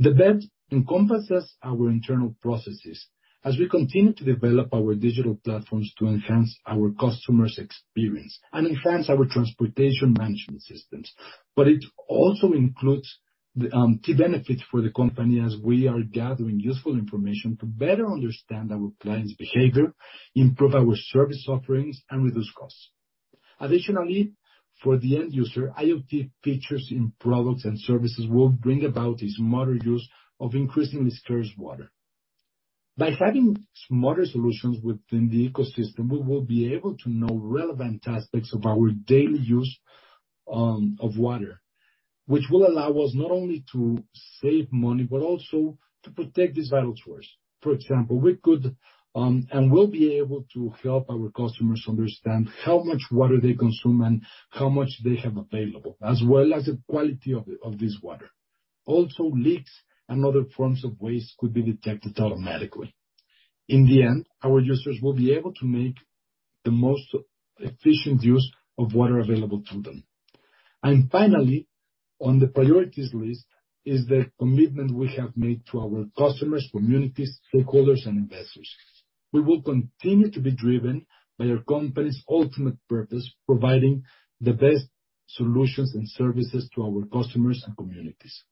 The bet encompasses our internal processes as we continue to develop our digital platforms to enhance our customers' experience and enhance our transportation management systems. It also includes the key benefits for the company as we are gathering useful information to better understand our clients' behavior, improve our service offerings, and reduce costs. Additionally, for the end user, IoT features in products and services will bring about is smarter use of increasingly scarce water. By having smarter solutions within the ecosystem, we will be able to know relevant aspects of our daily use of water, which will allow us not only to save money, but also to protect this vital source. For example, we could and will be able to help our customers understand how much water they consume and how much they have available, as well as the quality of this water. Also, leaks and other forms of waste could be detected automatically. In the end, our users will be able to make the most efficient use of water available to them. Finally, on the priorities list is the commitment we have made to our customers, communities, stakeholders, and investors. We will continue to be driven by our company's ultimate purpose, providing the best solutions and services to our customers and communities.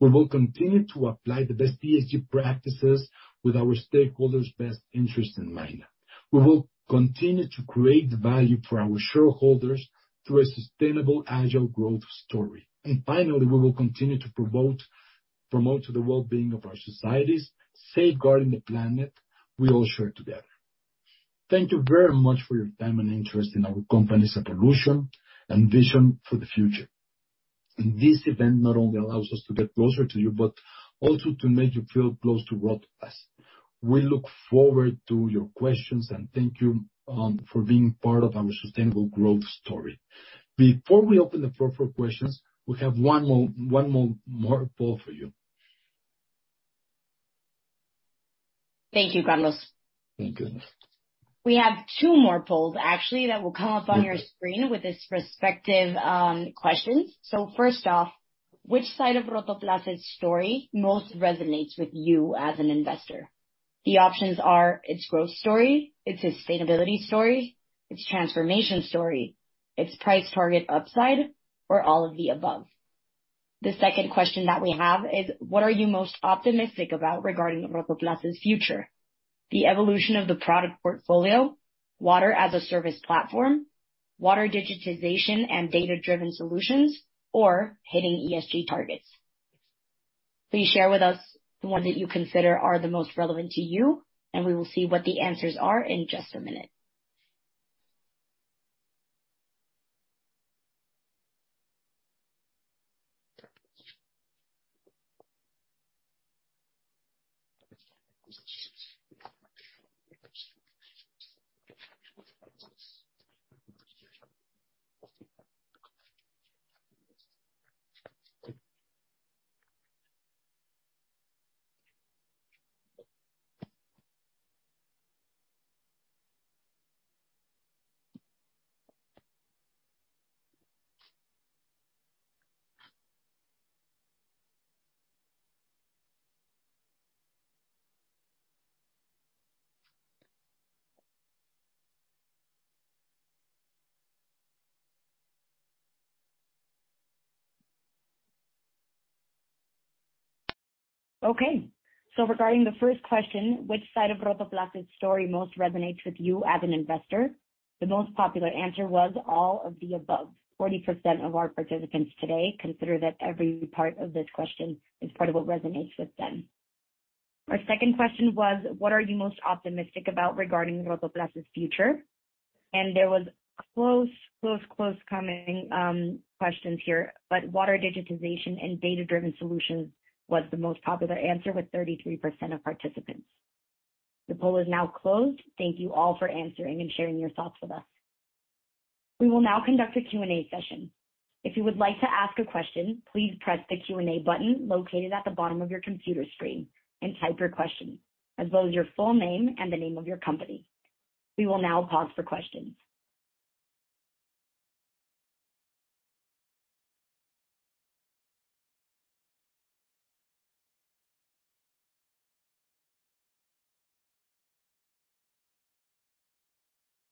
We will continue to apply the best ESG practices with our stakeholders' best interest in mind. We will continue to create value for our shareholders through a sustainable, agile growth story. Finally, we will continue to promote to the well-being of our societies, safeguarding the planet we all share together. Thank you very much for your time and interest in our company's evolution and vision for the future. This event not only allows us to get closer to you, but also to make you feel close to Rotoplas. We look forward to your questions and thank you for being part of our sustainable growth story. Before we open the floor for questions, we have one more poll for you. Thank you, Carlos. Thank you. We have two more polls actually that will come up on your screen with its respective questions. First off, which side of Rotoplas' story most resonates with you as an investor? The options are: its growth story, its sustainability story, its transformation story, its price target upside, or all of the above. The second question that we have is what are you most optimistic about regarding Rotoplas' future? The evolution of the product portfolio, water as a service platform, water digitization and data-driven solutions, or hitting ESG targets. Please share with us the ones that you consider are the most relevant to you, and we will see what the answers are in just a minute. Okay. Regarding the first question, which side of Rotoplas' story most resonates with you as an investor? The most popular answer was all of the above. 40% of our participants today consider that every part of this question is part of what resonates with them. Our second question was, what are you most optimistic about regarding Rotoplas' future? There was close coming questions here, but water digitization and data-driven solutions was the most popular answer with 33% of participants. The poll is now closed. Thank you all for answering and sharing your thoughts with us. We will now conduct a Q&A session. If you would like to ask a question, please press the Q&A button located at the bottom of your computer screen and type your question as well as your full name and the name of your company. We will now pause for questions.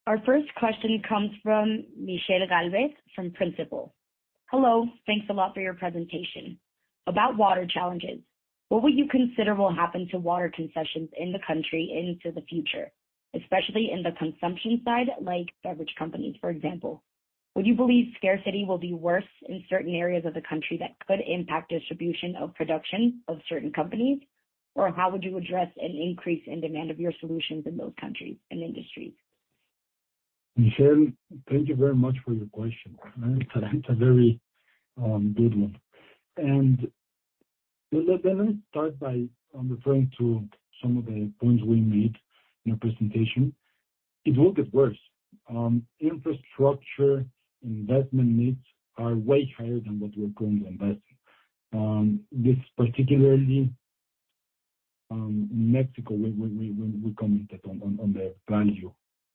Our first question comes from Michelle Galvez from Principal. Hello. Thanks a lot for your presentation. About water challenges, what would you consider will happen to water concessions in the country into the future, especially in the consumption side, like beverage companies, for example? Would you believe scarcity will be worse in certain areas of the country that could impact distribution of production of certain companies? How would you address an increase in demand of your solutions in those countries and industries? Michelle, thank you very much for your question. It's a very good one. Let me start by referring to some of the points we made in our presentation. It will get worse. Infrastructure investment needs are way higher than what we're going to invest. This particularly in Mexico, we commented on the value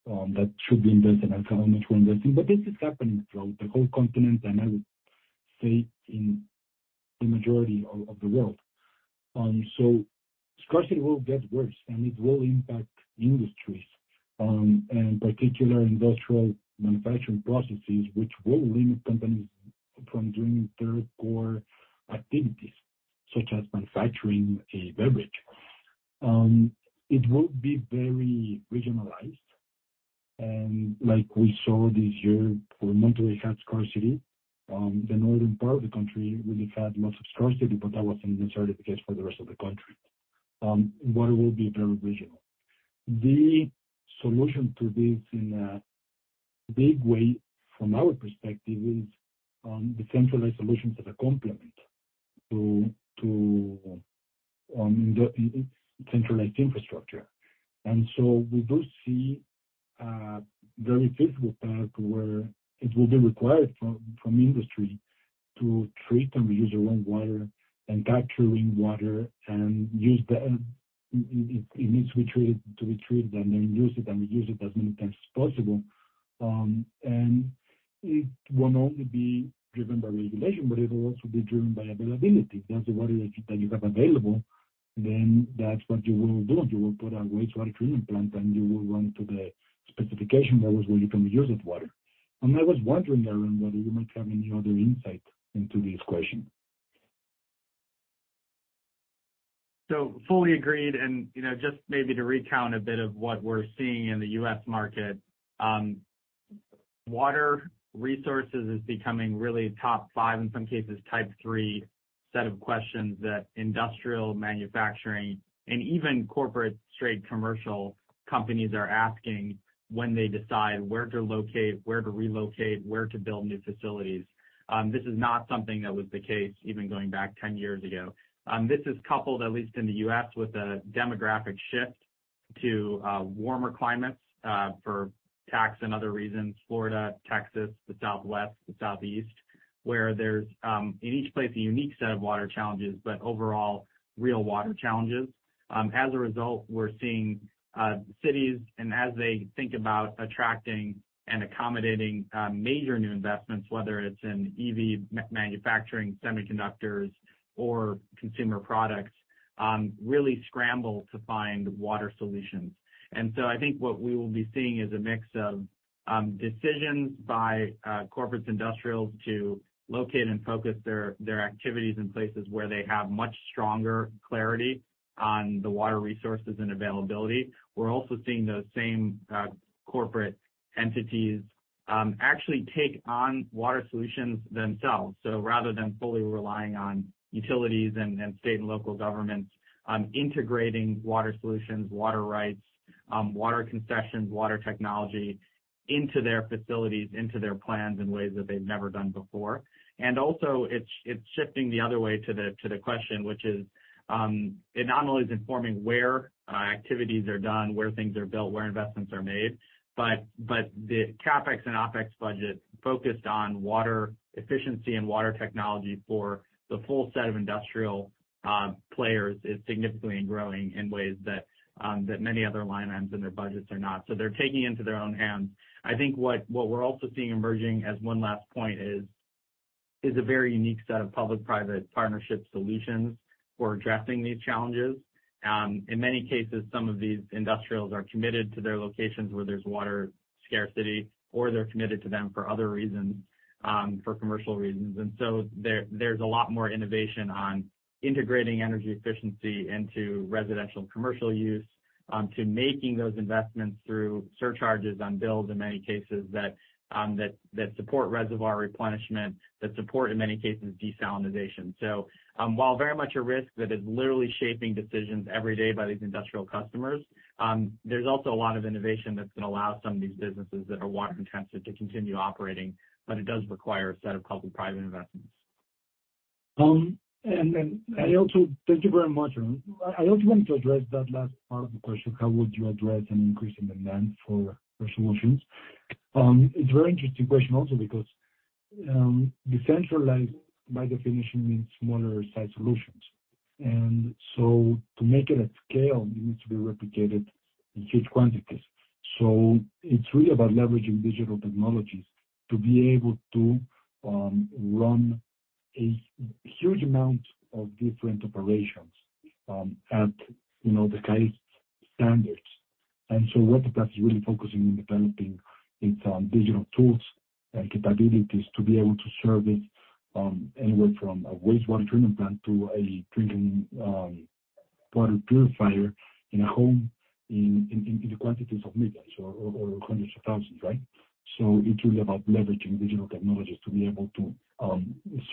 that should be invested and how much we're investing. This is happening throughout the whole continent, and I would say in the majority of the world. So scarcity will get worse, and it will impact industries and particular industrial manufacturing processes which will limit companies from doing their core activities, such as manufacturing a beverage. It will be very regionalized. Like we saw this year, where Monterrey had scarcity. The northern part of the country really had lots of scarcity, but that wasn't necessarily the case for the rest of the country. Water will be very regional. The solution to this in a big way from our perspective is, decentralized solutions as a complement to centralized infrastructure. We do see a very feasible path where it will be required from industry to treat and reuse their own water and capture rainwater and use the... It needs to be treated, and then use it and reuse it as many times as possible. It won't only be driven by regulation, but it will also be driven by availability. If that's the water that you have available, then that's what you will do. You will put a wastewater treatment plant. You will run it to the specification levels where you can reuse that water. I was wondering, Aaron, whether you might have any other insight into this question. Fully agreed. You know, just maybe to recount a bit of what we're seeing in the U.S., market, water resources is becoming really top five, in some cases type three set of questions that industrial manufacturing and even corporate straight commercial companies are asking when they decide where to locate, where to relocate, where to build new facilities. This is not something that was the case even going back 10 years ago. This is coupled, at least in the U.S., with a demographic shift to warmer climates, for tax and other reasons, Florida, Texas, the Southwest, the Southeast, where there's in each place, a unique set of water challenges, but overall real water challenges. As a result, we're seeing cities, and as they think about attracting and accommodating major new investments, whether it's in EV manufacturing, semiconductors or consumer products, really scramble to find water solutions. I think what we will be seeing is a mix of decisions by corporates, industrials to locate and focus their activities in places where they have much stronger clarity on the water resources and availability. We're also seeing those same corporate entities actually take on water solutions themselves. Rather than fully relying on utilities and state and local governments on integrating water solutions, water rights, water concessions, water technology into their facilities, into their plans in ways that they've never done before. Also, it's shifting the other way to the, to the question, which is, it not only is informing where activities are done, where things are built, where investments are made, but the CapEx and OpEx budget focused on water efficiency and water technology for the full set of industrial players is significantly growing in ways that many other line items in their budgets are not. They're taking into their own hands. I think what we're also seeing emerging as one last point is a very unique set of public-private partnership solutions for addressing these challenges. In many cases, some of these industrials are committed to their locations where there's water scarcity, or they're committed to them for other reasons, for commercial reasons. There, there's a lot more innovation on integrating energy efficiency into residential and commercial use, to making those investments through surcharges on bills in many cases that support reservoir replenishment, that support, in many cases, desalinization. While very much a risk that is literally shaping decisions every day by these industrial customers, there's also a lot of innovation that's gonna allow some of these businesses that are water intensive to continue operating, but it does require a set of public-private investments. Thank you very much. I also want to address that last part of the question, how would you address an increase in demand for solutions? It's very interesting question also because decentralized by definition means smaller size solutions. To make it at scale, it needs to be replicated in huge quantities. It's really about leveraging digital technologies to be able to run a huge amount of different operations at, you know, the highest standards. What that's really focusing on developing is digital tools and capabilities to be able to service anywhere from a wastewater treatment plant to a drinking water purifier in a home in quantities of millions or hundreds of thousands, right? It's really about leveraging digital technologies to be able to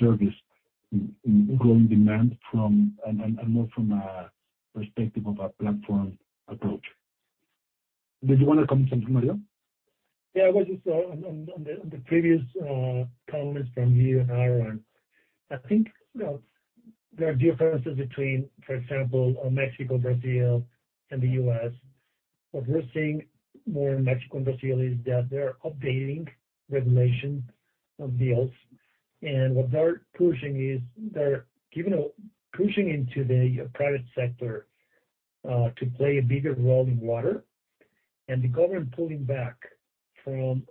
service in growing demand from, and more from a perspective of a platform approach. Did you want to comment something, Mario? Yeah, I was just on the previous comments from you and Aaron, I think, you know, there are differences between, for example, Mexico, Brazil, and the U.S., What we're seeing more in Mexico and Brazil is that they're updating regulation deals. What they're pushing is they're giving pushing into the private sector to play a bigger role in water and the government pulling back from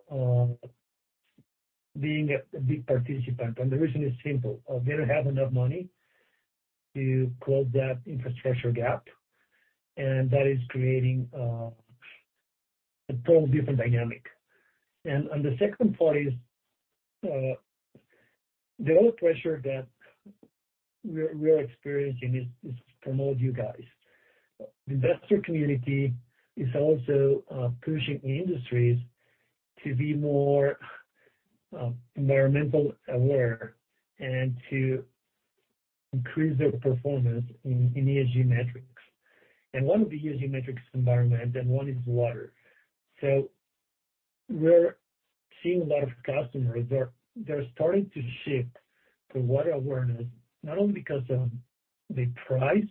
being a big participant. The reason is simple. They don't have enough money to close that infrastructure gap, and that is creating a total different dynamic. On the second part is the other pressure that we're experiencing is from all you guys. The investor community is also pushing industries to be more environmental aware and to increase their performance in ESG metrics. One of the ESG metrics is environment, and one is water. We're seeing a lot of customers, they're starting to shift the water awareness not only because of the price,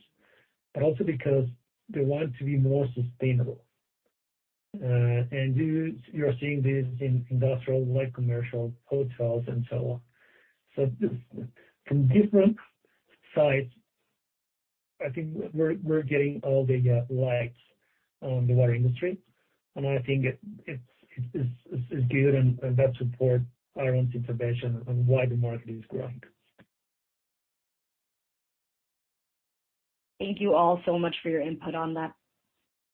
but also because they want to be more sustainable. And you're seeing this in industrial, like commercial hotels and so on. This from different sides, I think we're getting all the likes on the water industry, and I think it's good and that support Aaron's information on why the market is growing. Thank you all so much for your input on that.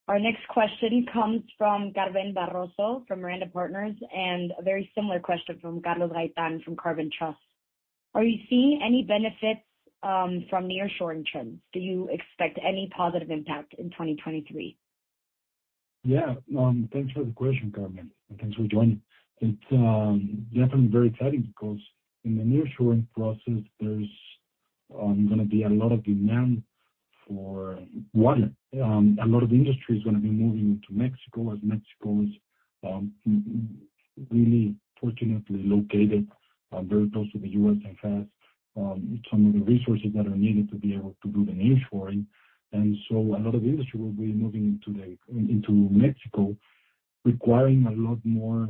Our next question comes from Carmen Barroso, from Miranda Partners, and a very similar question from Carlos Gaitán from Carbon Trust. Are you seeing any benefits from nearshoring trends? Do you expect any positive impact in 2023? Yeah. Thanks for the question, Carmen, and thanks for joining. It's definitely very exciting because in the nearshoring process there's gonna be a lot of demand for water. A lot of industry is gonna be moving into Mexico, as Mexico is really fortunately located very close to the U.S., and has some of the resources that are needed to be able to do the nearshoring. A lot of industry will be moving into Mexico requiring a lot more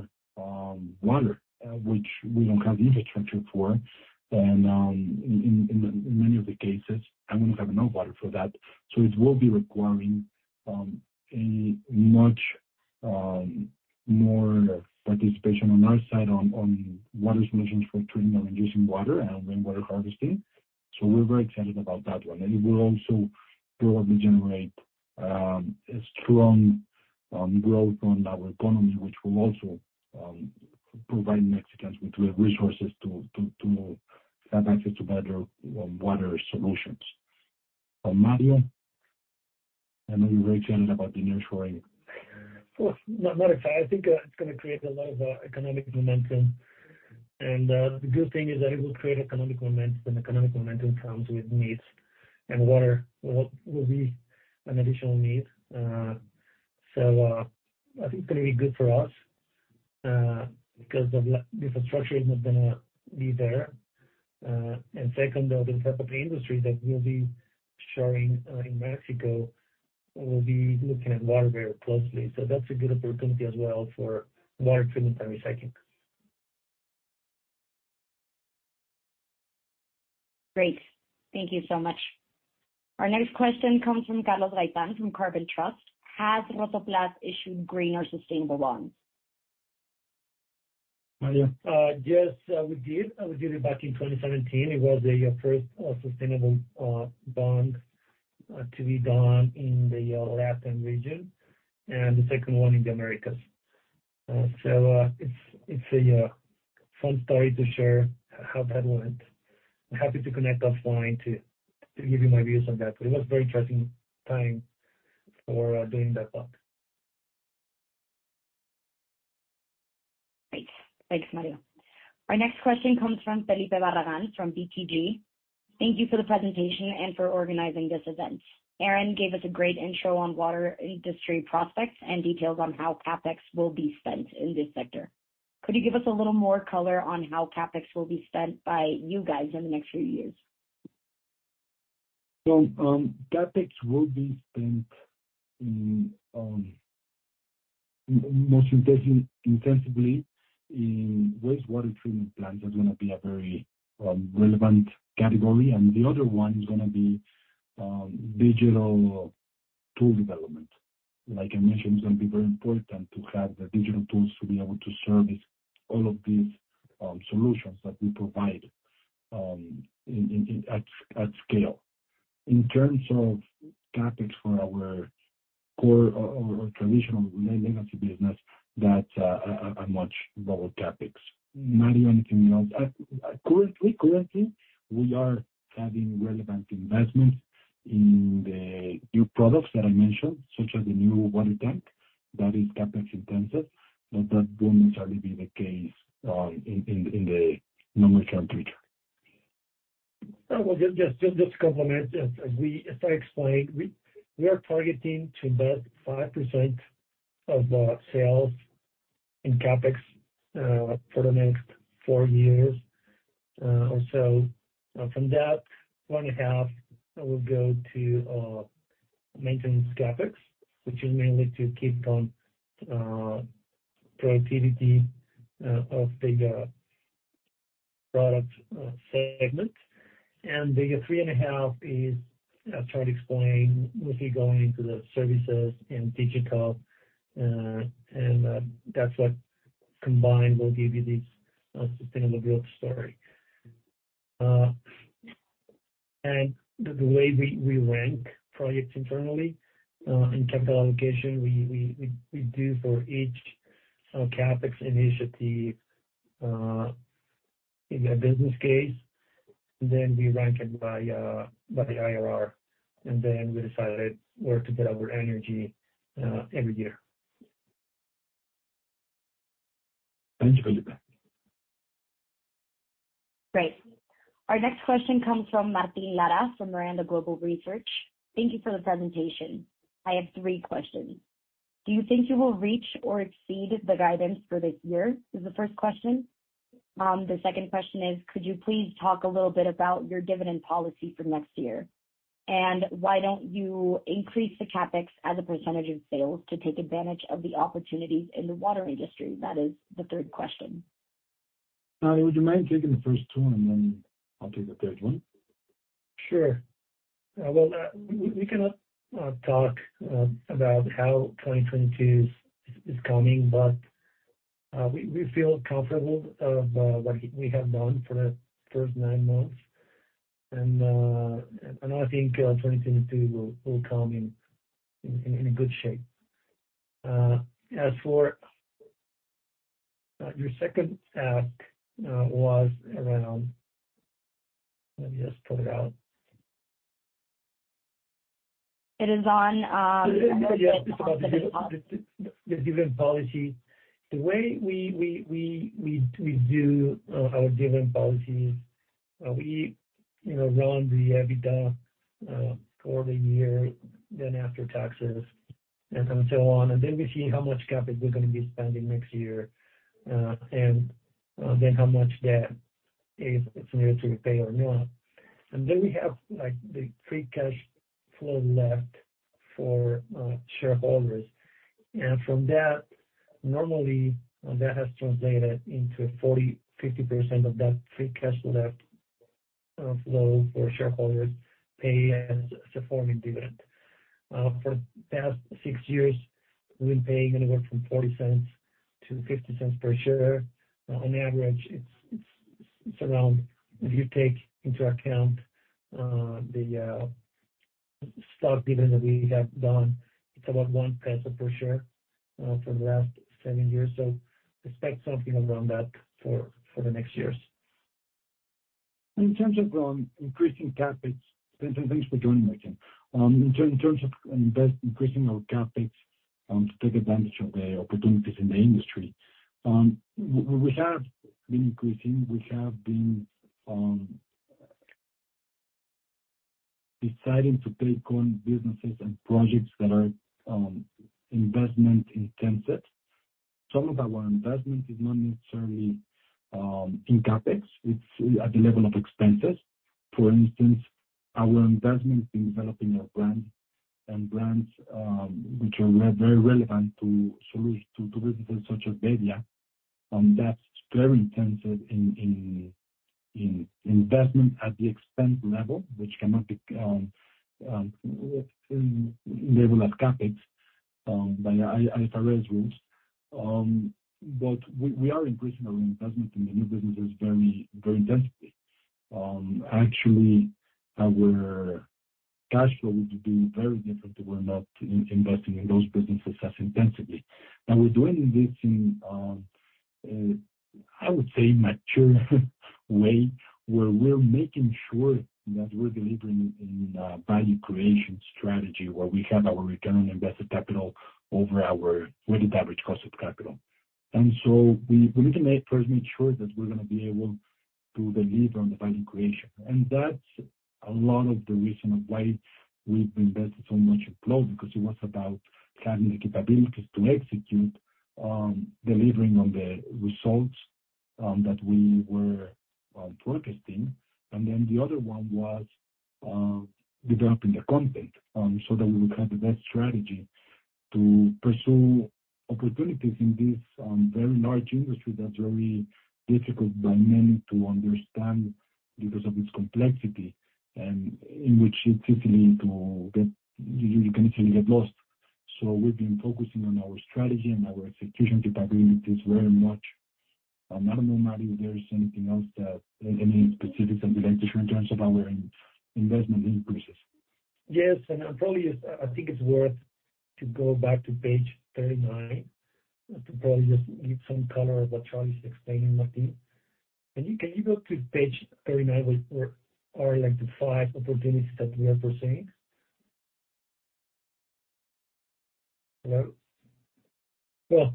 water, which we don't have the infrastructure for. In many of the cases, and we don't have enough water for that. It will be requiring a much more participation on our side on water solutions for treating or reducing water and rainwater harvesting. We're very excited about that one. It will also probably generate a strong growth on our economy, which will also provide Mexicans with the resources to have access to better water solutions. Mario, I know you're very excited about the near shoring. Well, no, not excited. I think it's going to create a lot of economic momentum. The good thing is that it will create economic momentum. Economic momentum comes with needs, and water will be an additional need. I think it's going to be good for us because the infrastructure is not going to be there. Second, the type of industry that will be shoring in Mexico will be looking at water very closely. That's a good opportunity as well for water treatment and recycling. Great. Thank you so much. Our next question comes from Carlos Gaitán from Carbon Trust. Has Rotoplas issued green or sustainable bonds? Mario. Yes, we did. We did it back in 2017. It was the first sustainable bond to be done in the Latin region and the second one in the Americas. It's a fun story to share how that went. I'm happy to connect offline to give you my views on that, but it was very interesting time for doing that bond. Great. Thanks, Mario. Our next question comes from Felipe Barragán from BTG. Thank you for the presentation and for organizing this event. Aaron gave us a great intro on water industry prospects and details on how CapEx will be spent in this sector. Could you give us a little more color on how CapEx will be spent by you guys in the next few years? CapEx will be spent in most intensively in wastewater treatment plants. That's gonna be a very relevant category. The other one is gonna be digital tool development. Like I mentioned, it's gonna be very important to have the digital tools to be able to service all of these solutions that we provide at scale. In terms of CapEx for our core or traditional legacy business, that's a much lower CapEx. Mario, anything else? Currently, we are having relevant investments in the new products that I mentioned, such as the new water tank that is CapEx intensive, but that won't necessarily be the case in the normal term future. Just to complement, As I explained, we are targeting to invest 5% of the sales in CapEx for the next four-years or so. From that, 1.5 will go to maintenance CapEx, which is mainly to keep on productivity of the product segment. The 3.5 is, I tried to explain, will be going into the services and digital. That's what combined will give you the sustainable growth story. The way we rank projects internally in capital allocation, we do for each CapEx initiative in a business case, then we rank it by the IRR, then we decide where to put our energy every year. Thank you, Felipe. Great. Our next question comes from Martín Lara from Miranda Global Research. Thank you for the presentation. I have three questions. Do you think you will reach or exceed the guidance for this year? Is the first question. The second question is, could you please talk a little bit about your dividend policy for next year? Why don't you increase the CapEx as a % of sales to take advantage of the opportunities in the water industry? That is the third question. Mario, would you mind taking the first two, and then I'll take the third one? Sure. Well, we cannot talk about how 2022 is coming, but we feel comfortable of what we have done for the first nine months. I think 2022 will come in good shape. As for. Your second was around. Let me just pull it out. It is on. The dividend policy. The way we do our dividend policy is, we, you know, run the EBITDA for the year, then after taxes and so on, then we see how much CapEx we're gonna be spending next year, then how much debt is there to repay or not. We have, like, the free cash flow left for shareholders. From that, normally that has translated into 40%-50% of that free cash flow for shareholders pay as a forming dividend. For the past six-years, we've been paying anywhere from 0.40-0.50 per share. On average, it's around... If you take into account the stock dividend that we have done, it's about 1 peso per share for the last seven-years. Expect something around that for the next years. In terms of increasing CapEx. Thanks for joining, Martin. In terms of increasing our CapEx to take advantage of the opportunities in the industry, we have been increasing. We have been deciding to take on businesses and projects that are investment intensive. Some of our investment is not necessarily in CapEx. It's at the level of expenses. For instance, our investment in developing a brand and brands, which are very relevant to solutions to businesses such as bebbia, that's very intensive in investment at the expense level, which cannot be labeled as CapEx by IFRS rules. We are increasing our investment in the new businesses very intensely. Actually our cash flow would be very different if we're not investing in those businesses as intensively. Now we're doing investing, I would say, mature way, where we're making sure that we're delivering in a value creation strategy, where we have our return on invested capital over our weighted average cost of capital. We need to make sure that we're gonna be able to deliver on the value creation. That's a lot of the reason of why we've invested so much in Flow, because it was about having the capabilities to execute, delivering on the results that we were forecasting. The other one was developing the content so that we would have the best strategy to pursue opportunities in this very large industry that's very difficult by many to understand because of its complexity, and in which it's easy to get. You can easily get lost. We've been focusing on our strategy and our execution capabilities very much. I don't know, Martín, if there is anything else that, any specifics that you'd like to share in terms of our in-investment increases. Yes. I think it's worth to go back to page 39, to probably just give some color of what Carlos is explaining, Martin. You, can you go to page 39 where are like the five opportunities that we are pursuing. Well,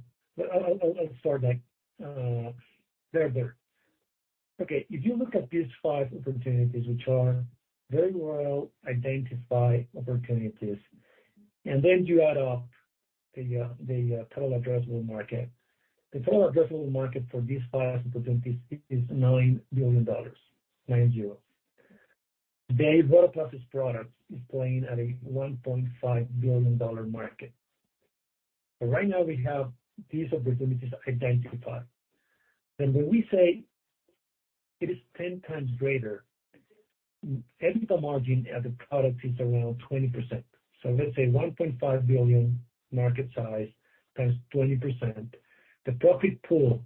I'll start that. There. Okay. If you look at these five opportunities, which are very well identified opportunities, and then you add up the total addressable market. The total addressable market for these five opportunities is $9 billion, 90. The Water Plus product is playing at a $1.5 billion market. Right now we have these opportunities identified. When we say it is 10 times greater, EBITDA margin as a product is around 20%. Let's say $1.5 billion market size times 20%, the profit pool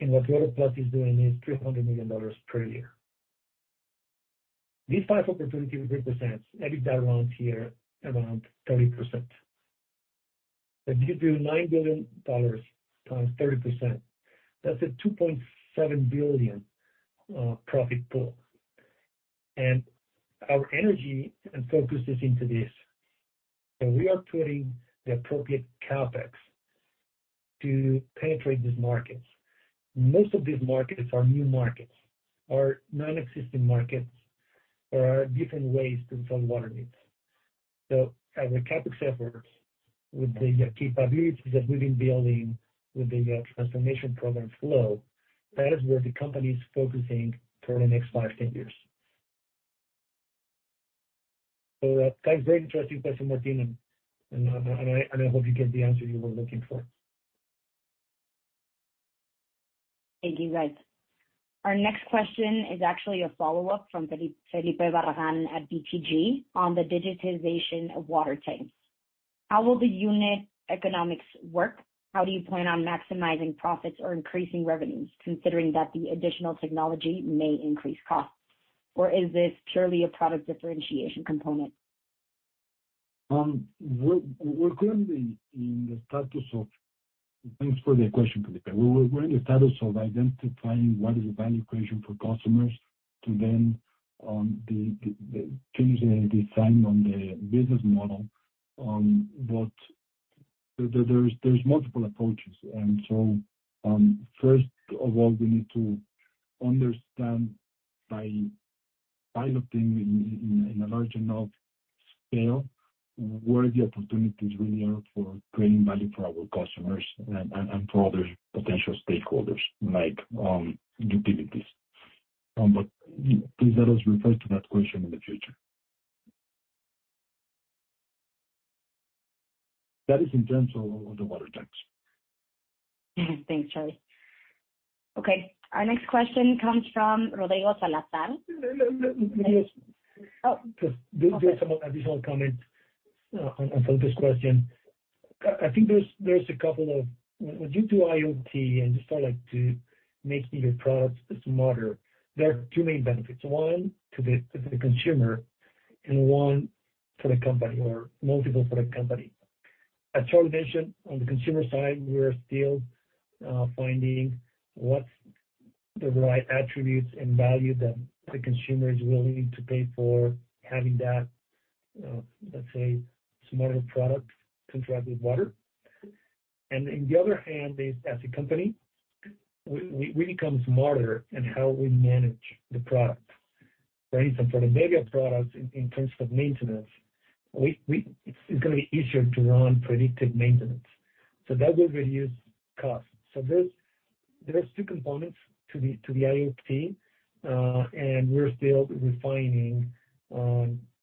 in what Water Plus is doing is $300 million per year. These five opportunities represent EBITDA around here around 30%. If you do $9 billion times 30%, that's a $2.7 billion profit pool. Our energy and focus is into this. We are putting the appropriate CapEx to penetrate these markets. Most of these markets are new markets or non-existent markets, or are different ways to sell water needs. Our CapEx efforts with the capabilities that we've been building with the transformation program Flow, that is where the company's focusing for the next 5, 10 years. That's a very interesting question, Martin, and I, and I hope you get the answer you were looking for. Thank you, guys. Our next question is actually a follow-up from Felipe Barragán at BTG on the digitization of water tanks. How will the unit economics work? How do you plan on maximizing profits or increasing revenues, considering that the additional technology may increase costs? Or is this purely a product differentiation component? We're currently in the status of. Thanks for the question, Felipe. We're in the status of identifying what is the value creation for customers to then, the things they design on the business model, but there's multiple approaches. First of all, we need to understand by piloting in a large enough scale where the opportunities really are for creating value for our customers and for other potential stakeholders like utilities. Please let us refer to that question in the future. That is in terms of the water tanks. Thanks, Carlos. Okay, our next question comes from Rodrigo Salazar. Let me ask. Oh, okay. Just there're some additional comments on Felipe's question. I think there's When you do IoT and just try like to making your products smarter, there are two main benefits. One to the consumer and one for the company or multiple for the company. As Carlos mentioned, on the consumer side, we are still finding what's the right attributes and value that the consumer is willing to pay for having that, let's say, smarter product interact with water. In the other hand, as a company, we become smarter in how we manage the product, right? For the Vega products in terms of maintenance, we It's gonna be easier to run predictive maintenance. That will reduce costs. There is two components to the IoT, and we're still refining,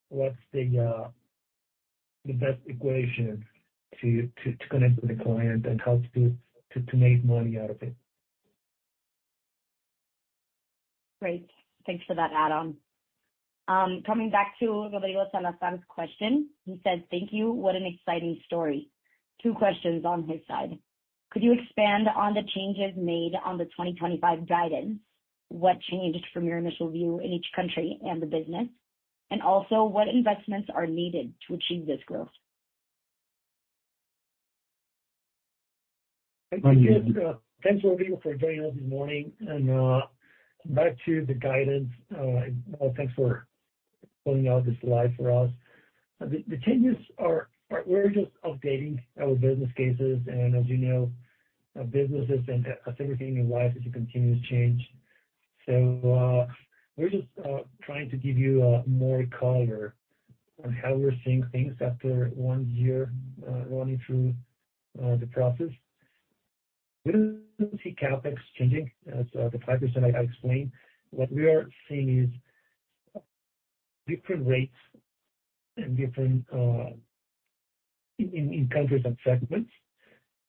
what's the best equation to connect with the client and how to make money out of it. Great. Thanks for that add-on. Coming back to Rodrigo Salazar's question. He said, "Thank you. What an exciting story." Two questions on his side. Could you expand on the changes made on the 2025 guidance? What changed from your initial view in each country and the business? Also, what investments are needed to achieve this growth? I can. Thanks, Rodrigo, for joining us this morning. Back to the guidance, well, thanks for pulling out this slide for us. The changes are, we're just updating our business cases. As you know, businesses and everything in life is a continuous change. We're just trying to give you more color on how we're seeing things after one year running through the process. We don't see CapEx changing as the 5% I explained. What we are seeing is different rates and different in countries and segments.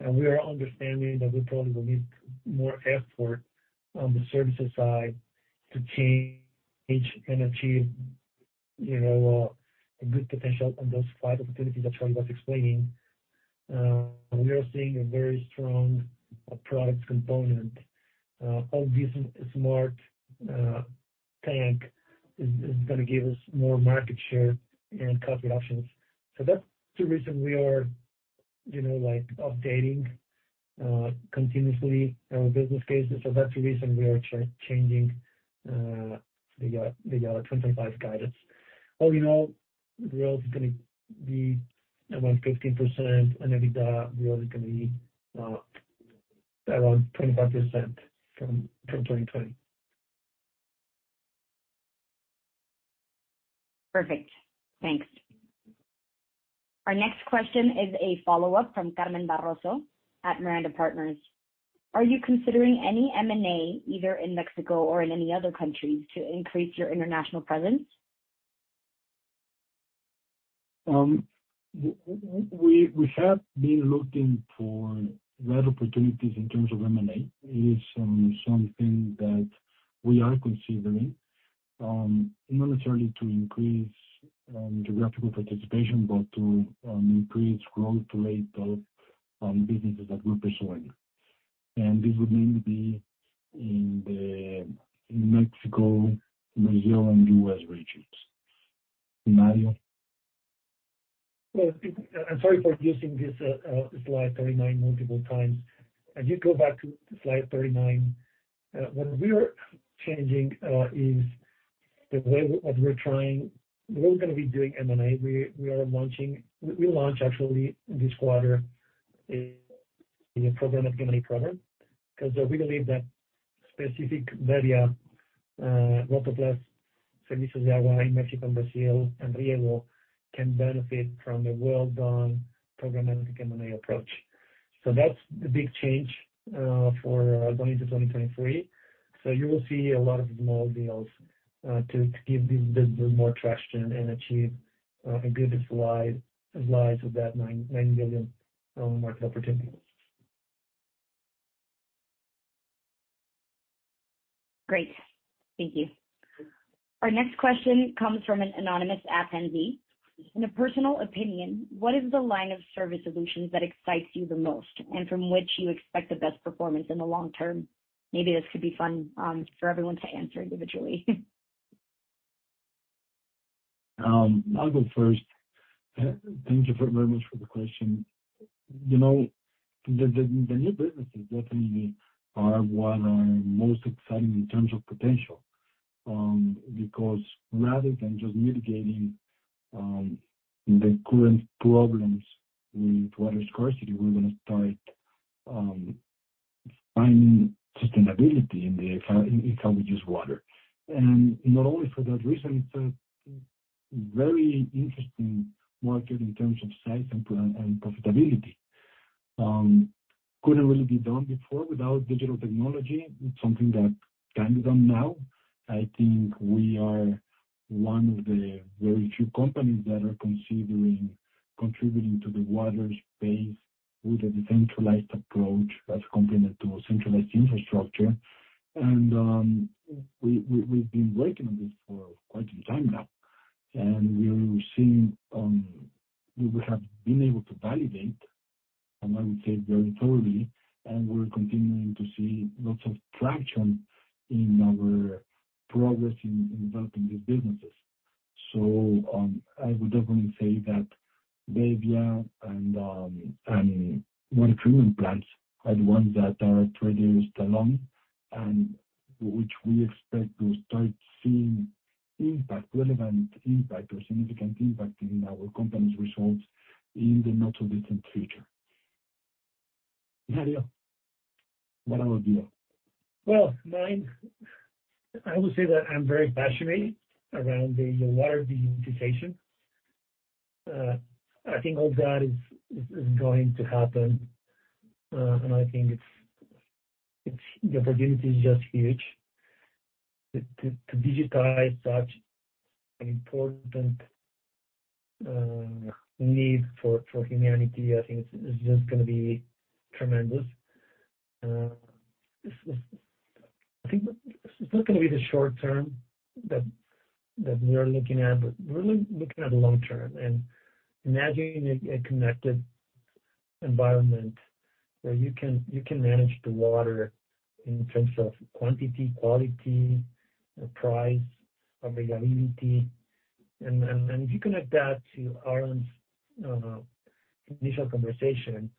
We are understanding that we probably will need more effort on the services side to change and achieve, you know, a good potential on those 5 opportunities that Carlos was explaining. We are seeing a very strong products component. All these smart tank is gonna give us more market share and cross-selling options. That's the reason we are, you know, like updating continuously our business cases. That's the reason we are changing the 2025 guidance. All in all, growth is gonna be around 15%, and EBITDA really is gonna be around 25% from 2020. Perfect. Thanks. Our next question is a follow-up from Carmen Barroso at Miranda Partners. Are you considering any M&A either in Mexico or in any other countries to increase your international presence? We have been looking for the right opportunities in terms of M&A. It is something that we are considering, not necessarily to increase geographical participation, but to increase growth rate of businesses that we're pursuing. This would mainly be in the Mexico, Brazil and U.S., regions. Mario? Sorry for using this slide 39 multiple times. As you go back to slide 39, what we are changing is the way we. We're gonna be doing M&A. We launched actually this quarter a program of M&A program, 'cause we believe that specific area, Rotoplas+, Servicios ¡YA!, Mexico and Brazil, and Riego can benefit from a well-done programmatic M&A approach. That's the big change for going into 2023. You will see a lot of small deals to give these businesses more traction and achieve a good slice of that $9 billion market opportunity. Great. Thank you. Our next question comes from an anonymous attendee. In a personal opinion, what is the line of service solutions that excites you the most, and from which you expect the best performance in the long term? Maybe this could be fun, for everyone to answer individually. I'll go first. Thank you very much for the question. You know, the new businesses definitely are what are most exciting in terms of potential, because rather than just mitigating, the current problems with water scarcity, we're gonna start finding sustainability in how we use water. Not only for that reason, it's a very interesting market in terms of size and profitability. Couldn't really be done before without digital technology. It's something that can be done now. I think we are one of the very few companies that are considering contributing to the water space with a decentralized approach as a complement to a centralized infrastructure. We've been working on this for quite some time now. We're seeing. We have been able to validate, and I would say very thoroughly, and we're continuing to see lots of traction in our progress in developing these businesses. I would definitely say that bebbia and water treatment plants are the ones that are produced along, and which we expect to start seeing impact, relevant impact or significant impact in our company's results in the not-so-distant future. Mario, what about you? Mine, I would say that I'm very passionate around the water digitization. I think all that is going to happen, and I think it's. The opportunity is just huge. To digitize such an important need for humanity, I think is just gonna be tremendous. This is. I think it's not gonna be the short term that we are looking at, but really looking at the long term. Imagining a connected environment where you can manage the water in terms of quantity, quality, price, availability. If you connect that to Aaron's initial conversation,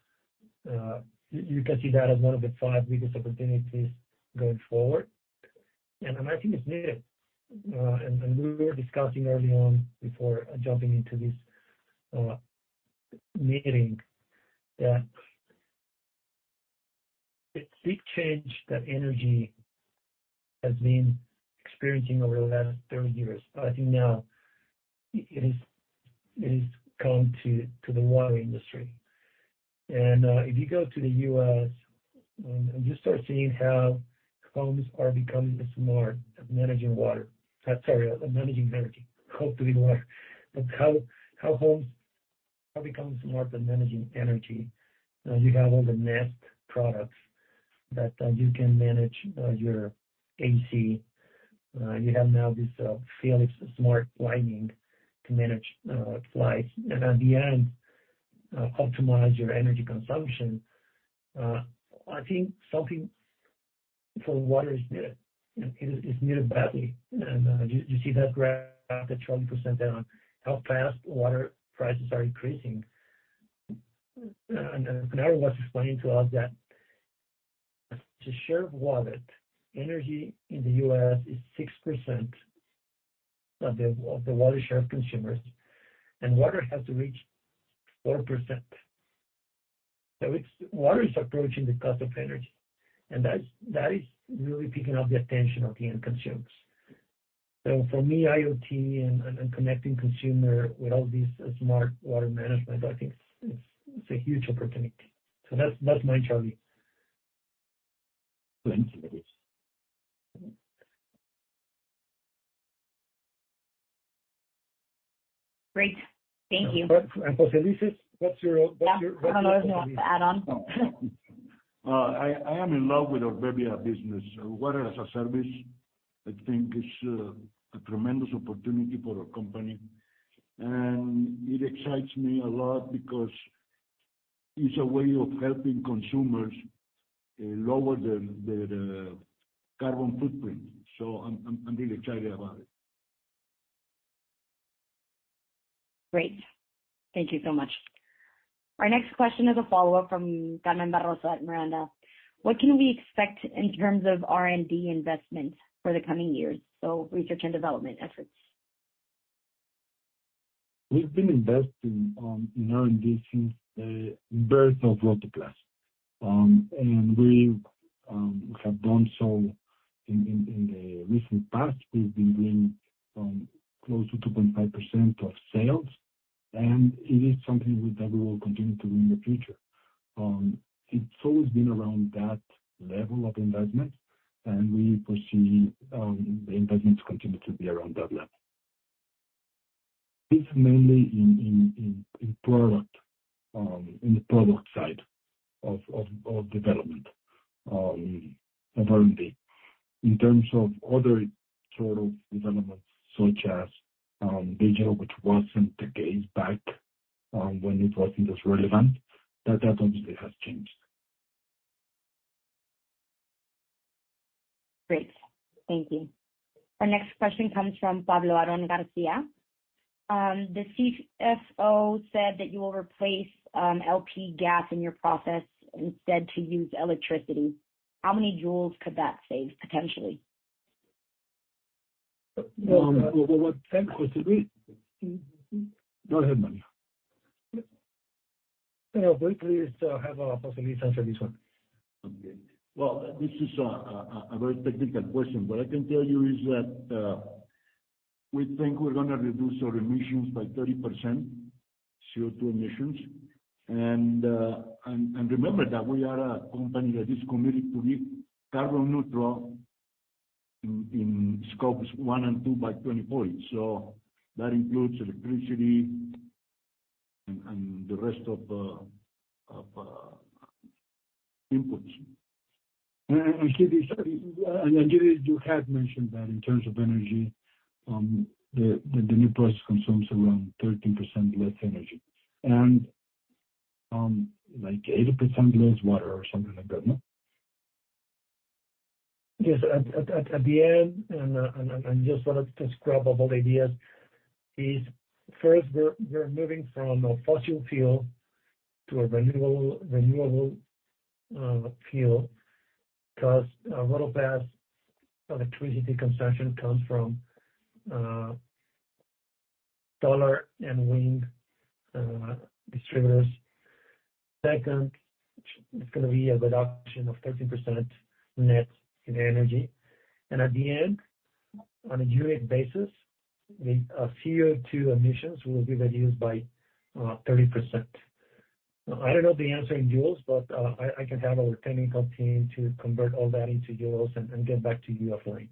you can see that as one of the five biggest opportunities going forward. I think it's needed. We were discussing early on before jumping into this meeting that the big change that energy has been experiencing over the last 30 years, I think now it is come to the water industry. If you go to the U.S. and you start seeing how homes are becoming smart at managing water. Sorry, managing energy. Hopefully water. How homes are becoming smart at managing energy, you have all the Nest products that you can manage your AC. You have now this Philips smart lighting to manage lights. At the end, optimize your energy consumption. I think something for water is needed, and it's needed badly. You see that graph, the 20% there on how fast water prices are increasing. Aaron was explaining to us that the share of wallet energy in the U.S., is 6% of the water share of consumers, and water has reached 4%. Water is approaching the cost of energy, and that is really picking up the attention of the end consumers. For me, IoT and connecting consumer with all these smart water management, I think it's a huge opportunity. That's mine Carlos. Thank you, Mario. Great. Thank you. José Luis, what's your. Yeah. I don't know if you want to add on. I am in love with our bebbia business. Water as a service, I think is a tremendous opportunity for our company. It excites me a lot because it's a way of helping consumers lower their carbon footprint. I'm really excited about it. Great. Thank you so much. Our next question is a follow-up from Carmen Barroso at Miranda. What can we expect in terms of R&D investment for the coming years? Research and development efforts. We've been investing in R&D since the birth of Rotoplas. We have done so in the recent past. We've been doing close to 2.5% of sales, and it is something that we will continue to do in the future. It's always been around that level of investment, and we foresee the investments continue to be around that level. It's mainly in product, in the product side of development, of R&D. In terms of other sort of developments such as digital, which wasn't the case back when it wasn't as relevant, that obviously has changed. Great. Thank you. Our next question comes from Pablo Aron Garcia. The Chief Financial Officer said that you will replace LP gas in your process instead to use electricity. How many joules could that save potentially? Well, that question. Mm-hmm. Go ahead, Mario. Yeah. Briefly, so have, José Luis answer this one. Okay. Well, this is a very technical question. What I can tell you is that. We think we're gonna reduce our emissions by 30%, CO2 emissions. Remember that we are a company that is committed to be carbon neutral in Scopes 1 and 2 by 2024. That includes electricity and the rest of inputs. I see this. Judith, you had mentioned that in terms of energy, the new process consumes around 13% less energy and like 80% less water or something like that, no? Yes. At the end, and just sort of to scrub up all the ideas is first, we're moving from a fossil fuel to a renewable fuel, 'cause Waterpath's electricity consumption comes from solar and wind distributors. Second, it's gonna be a reduction of 13% net in energy. At the end, on a unit basis, the CO2 emissions will be reduced by 30%. I don't know the answer in euros. I can have our technical team to convert all that into euros and get back to you offline.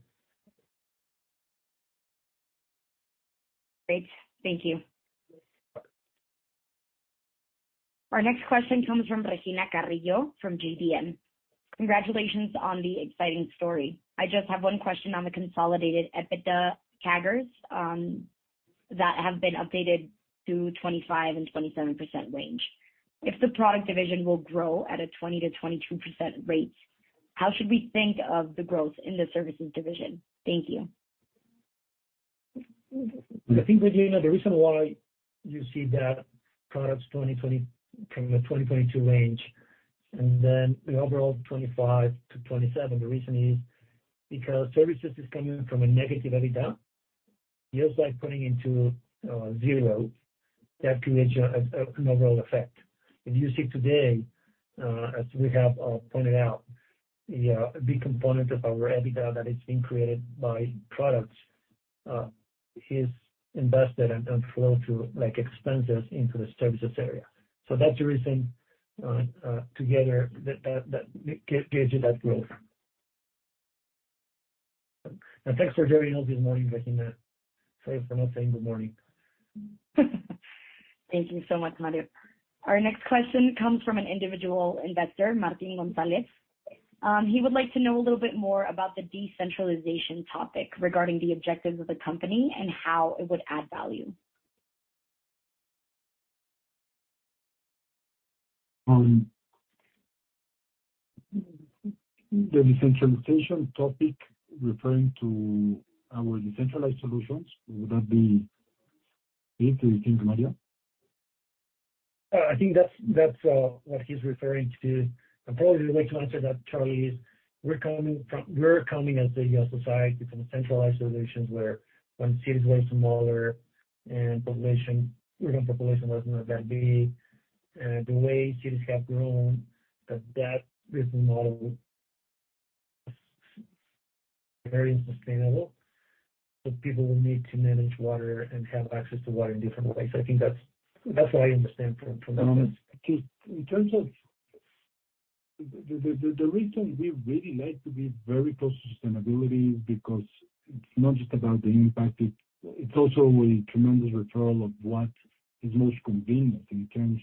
Great. Thank you. Sure. Our next question comes from Regina Carrillo from GBM. Congratulations on the exciting story. I just have one question on the consolidated EBITDA CAGRs that have been updated to 25% and 27% range. If the product division will grow at a 20%-22% rate, how should we think of the growth in the services division? Thank you. I think, Regina, the reason why you see that products from the 2022 range and then the overall 25-27, the reason is because services is coming from a negative EBITDA. Just like putting into zero, that creates an overall effect. If you see today, as we have pointed out, the big component of our EBITDA that is being created by products, is invested and flow through like expenses into the services area. That's the reason, together that gives you that growth. Thanks for joining us this morning, Regina. Sorry for not saying good morning. Thank you so much, Mario. Our next question comes from an individual investor, Martin Gonzalez. He would like to know a little bit more about the decentralization topic regarding the objectives of the company and how it would add value. The decentralization topic referring to our decentralized solutions. Would that be it, do you think, Mario? I think that's what he's referring to. Probably the way to answer that, Carlos, is we're coming as a, you know, society from centralized solutions where, when cities were smaller and population, urban population was not that big, the way cities have grown, that business model is very unsustainable. People will need to manage water and have access to water in different ways. I think that's what I understand from that. In terms of. The reason we really like to be very close to sustainability is because it's not just about the impact, it's also a tremendous return of what is most convenient in terms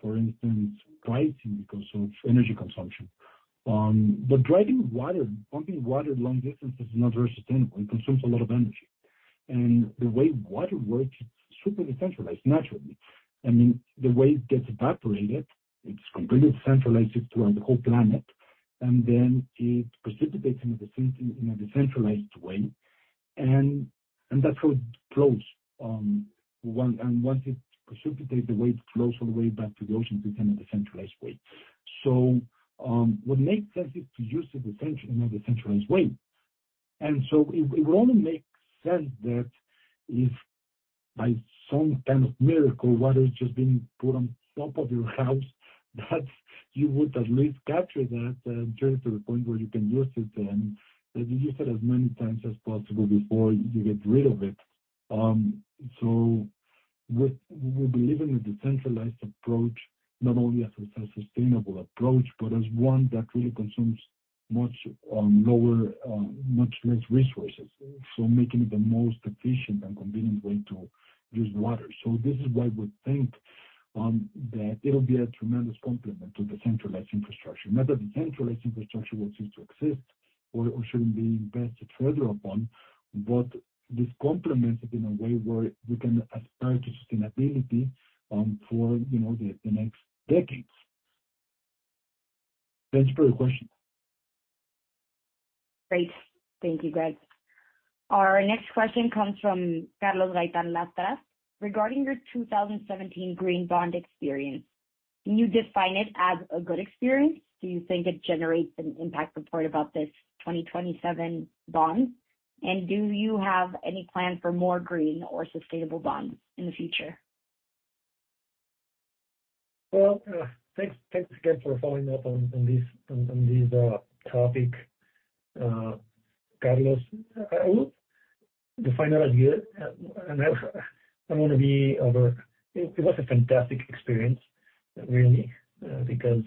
of, for instance, pricing because of energy consumption. Driving water, pumping water long distance is not very sustainable. It consumes a lot of energy. The way water works, it's super decentralized naturally. I mean, the way it gets evaporated, it's completely decentralized throughout the whole planet, and then it precipitates in a decentralized way. That's how it flows once. Once it precipitates, the way it flows all the way back to the ocean is in a decentralized way. What makes sense is to use it in a decentralized way. It only makes sense that if by some kind of miracle water is just being put on top of your house, that you would at least capture that and turn it to the point where you can use it and use it as many times as possible before you get rid of it. We believe in a decentralized approach, not only as a sustainable approach, but as one that really consumes much lower much less resources, so making it the most efficient and convenient way to use water. This is why we think that it'll be a tremendous complement to the centralized infrastructure. Not that the centralized infrastructure will cease to exist or shouldn't be invested further upon, but this complements it in a way where we can aspire to sustainability, you know, for the next decades. Thanks for your question. Great. Thank you, Carlos. Our next question comes from Carlos Gaitán Látra. Regarding your 2017 green bond experience, can you define it as a good experience? Do you think it generates an impact report about this 2027 bond? Do you have any plan for more green or sustainable bonds in the future? Well, thanks again for following up on this, on this topic. Carlos, I would define that as good. I want to be over. It was a fantastic experience really, because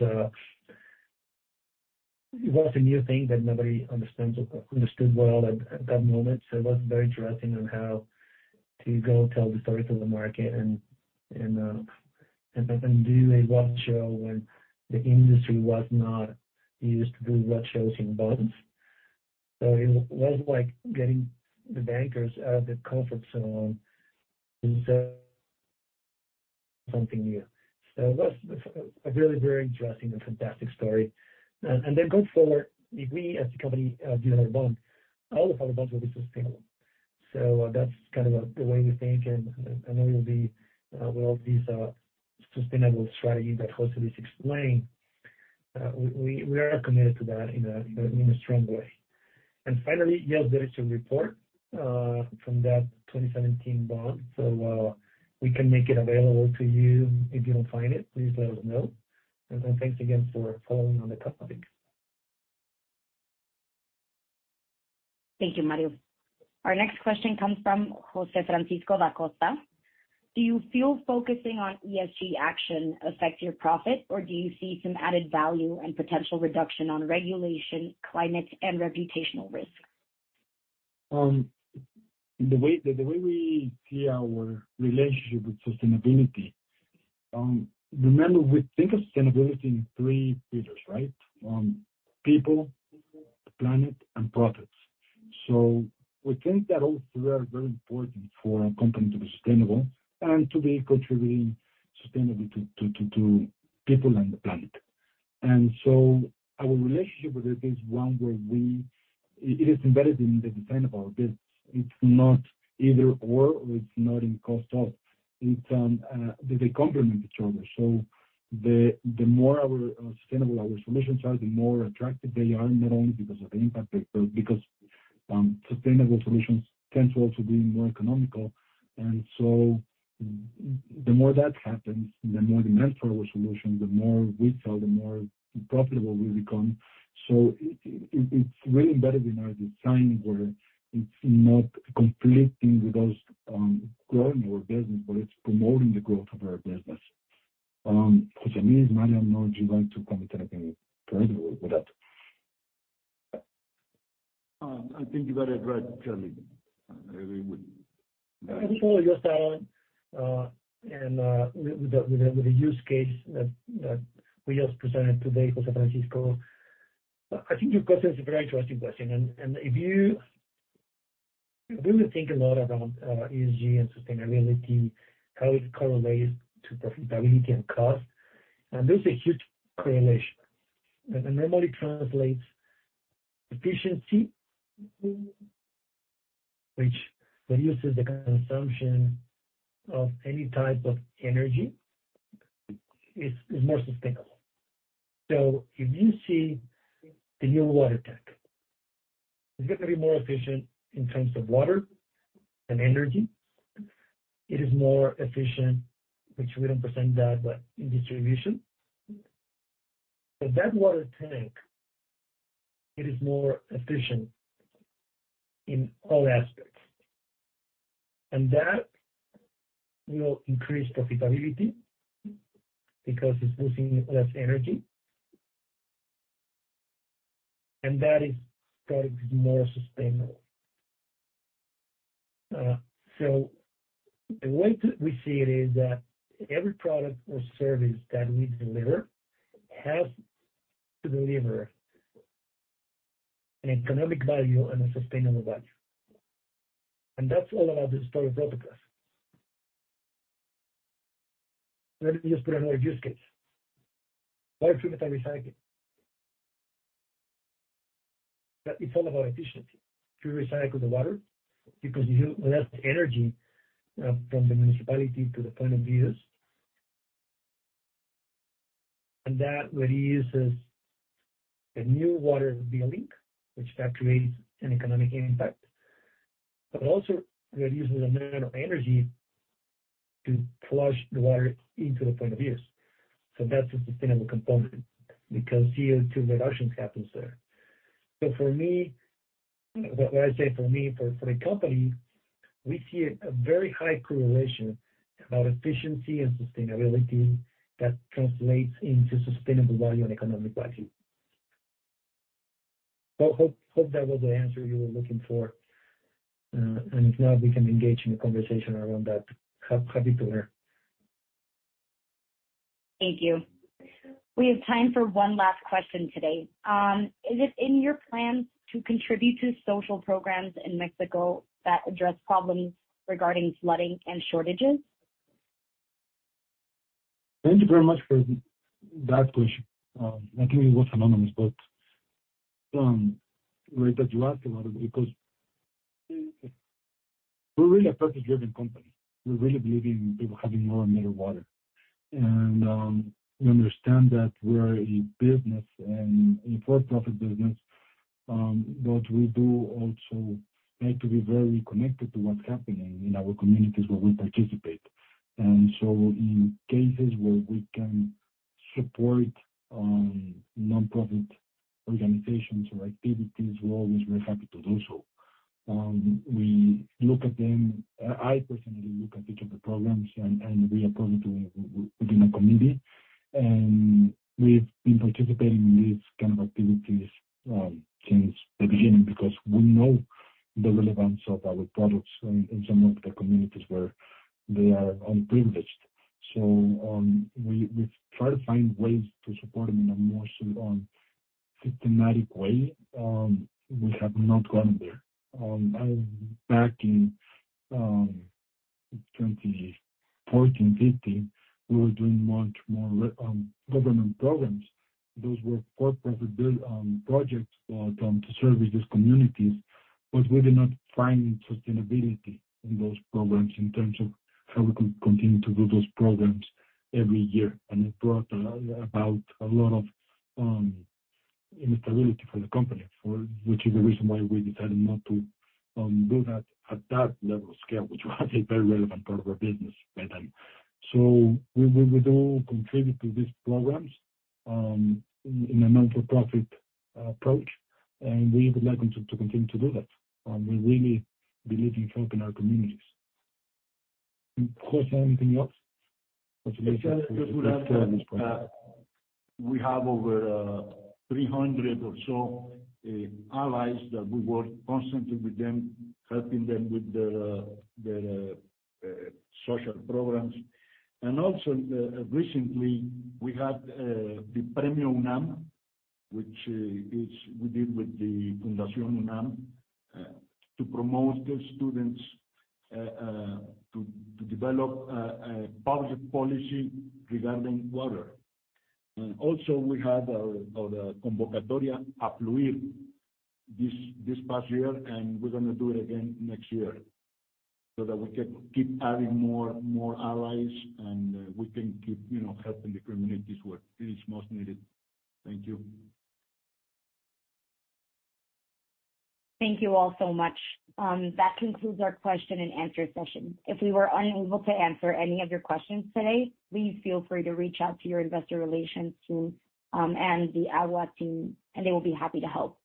it was a new thing that nobody understands or understood well at that moment. It was very interesting on how to go tell the story to the market and do a roadshow when the industry was not used to do roadshows in bonds. It was like getting the bankers out of their comfort zone and something new. It was a really very interesting and fantastic story. Going forward, if we as the company do another bond, all of our bonds will be sustainable. That's kind of the way we think. I know you'll be with all of these sustainable strategies that José just explained, we are committed to that in a strong way. Finally, yes, there is a report from that 2017 bond. We can make it available to you. If you don't find it, please let us know. Then thanks again for following on the topic. Thank you, Mario. Our next question comes from Jose Francisco Da Costa. Do you feel focusing on ESG action affects your profit, or do you see some added value and potential reduction on regulation, climate, and reputational risk? The way we see our relationship with sustainability, remember, we think of sustainability in three pillars, right? People, planet, and profits. We think that all three are very important for a company to be sustainable and to be contributing sustainably to people and the planet. Our relationship with it is one. It is embedded in the design of our business. It's not either/or, it's not in cost of. It's, they complement each other. The more sustainable our solutions are, the more attractive they are, not only because of the impact, but because sustainable solutions tend to also be more economical. The more that happens, the more demand for our solution, the more we sell, the more profitable we become. It's really embedded in our design where it's not conflicting with us, growing our business, but it's promoting the growth of our business. José, me as Mario, I don't know if you want to comment anything further with that. I think you got it right, Carlos. I agree with you. I think I'll just add on with the use case that we just presented today, José Francisco. I think your question is a very interesting question. If you really think a lot about ESG and sustainability, how it correlates to profitability and cost, there's a huge correlation. Remember, it translates efficiency, which reduces the consumption of any type of energy. It's more sustainable. If you see the new water tank, it's gonna be more efficient in terms of water and energy. It is more efficient, which we didn't present that, but in distribution. That water tank, it is more efficient in all aspects, and that will increase profitability because it's using less energy, and that is product more sustainable. The way we see it is that every product or service that we deliver has to deliver an economic value and a sustainable value. That's all about the story of Rotoplas. Let me just put another use case: water treatment and recycling. That is all about efficiency to recycle the water, because you use less energy from the municipality to the point of use. That reduces the new water via link, which that creates an economic impact. Also reduces the amount of energy to flush the water into the point of use. That's the sustainable component, because CO2 reductions happens there. For me, when I say for me, for a company, we see a very high correlation about efficiency and sustainability that translates into sustainable value and economic value. Hope that was the answer you were looking for. And if not, we can engage in a conversation around that. Happy to hear. Thank you. We have time for one last question today. Is it in your plans to contribute to social programs in Mexico that address problems regarding flooding and shortages? Thank you very much for that question. I think it was anonymous, but, great that you asked about it because we're really a purpose-driven company. We really believe in people having more and better water. We understand that we're a business and a for-profit business. What we do also like to be very connected to what's happening in our communities where we participate. In cases where we can support nonprofit organizations or activities, we're always very happy to do so. We look at them. I personally look at each of the programs and we approve them within a committee. We've been participating in these kind of activities since the beginning because we know the relevance of our products in some of the communities where they are unprivileged. We try to find ways to support them in a more sort on systematic way. We have not gone there. Back in 2014, 2015, we were doing much more government programs. Those were for-profit build projects to service these communities, but we did not find sustainability in those programs in terms of how we could continue to do those programs every year. It brought about a lot of instability for the company for which is the reason why we decided not to do that at that level of scale, which was a very relevant part of our business by then. We do contribute to these programs in a not-for-profit approach, and we would like them to continue to do that. We really believe in helping our communities. José, anything else? We have over 300 or so allies that we work constantly with them, helping them with their social programs. Recently we had the Premio UNAM, which is we did with the Fundación UNAM, to promote the students to develop public policy regarding water. We had our Convocatoria Afluir this past year, and we're going to do it again next year so that we can keep adding more allies and we can keep, you know, helping the communities where it is most needed. Thank you. Thank you all so much. That concludes our question and answer session. If we were unable to answer any of your questions today, please feel free to reach out to your investor relations team, the AGUA team, they will be happy to help.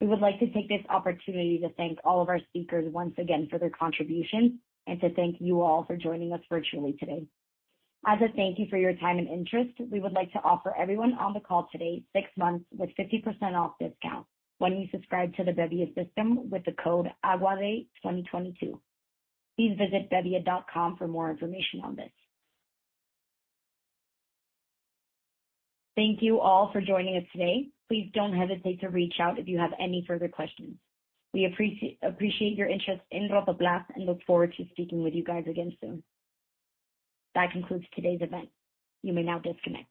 We would like to take this opportunity to thank all of our speakers once again for their contribution and to thank you all for joining us virtually today. As a thank you for your time and interest, we would like to offer everyone on the call today six months with 50% off discount when you subscribe to the bebia system with the code AGUADAY2022. Please visit bebia.com for more information on this. Thank you all for joining us today. Please don't hesitate to reach out if you have any further questions. We appreciate your interest in Grupo Rotoplas and look forward to speaking with you guys again soon. That concludes today's event. You may now disconnect.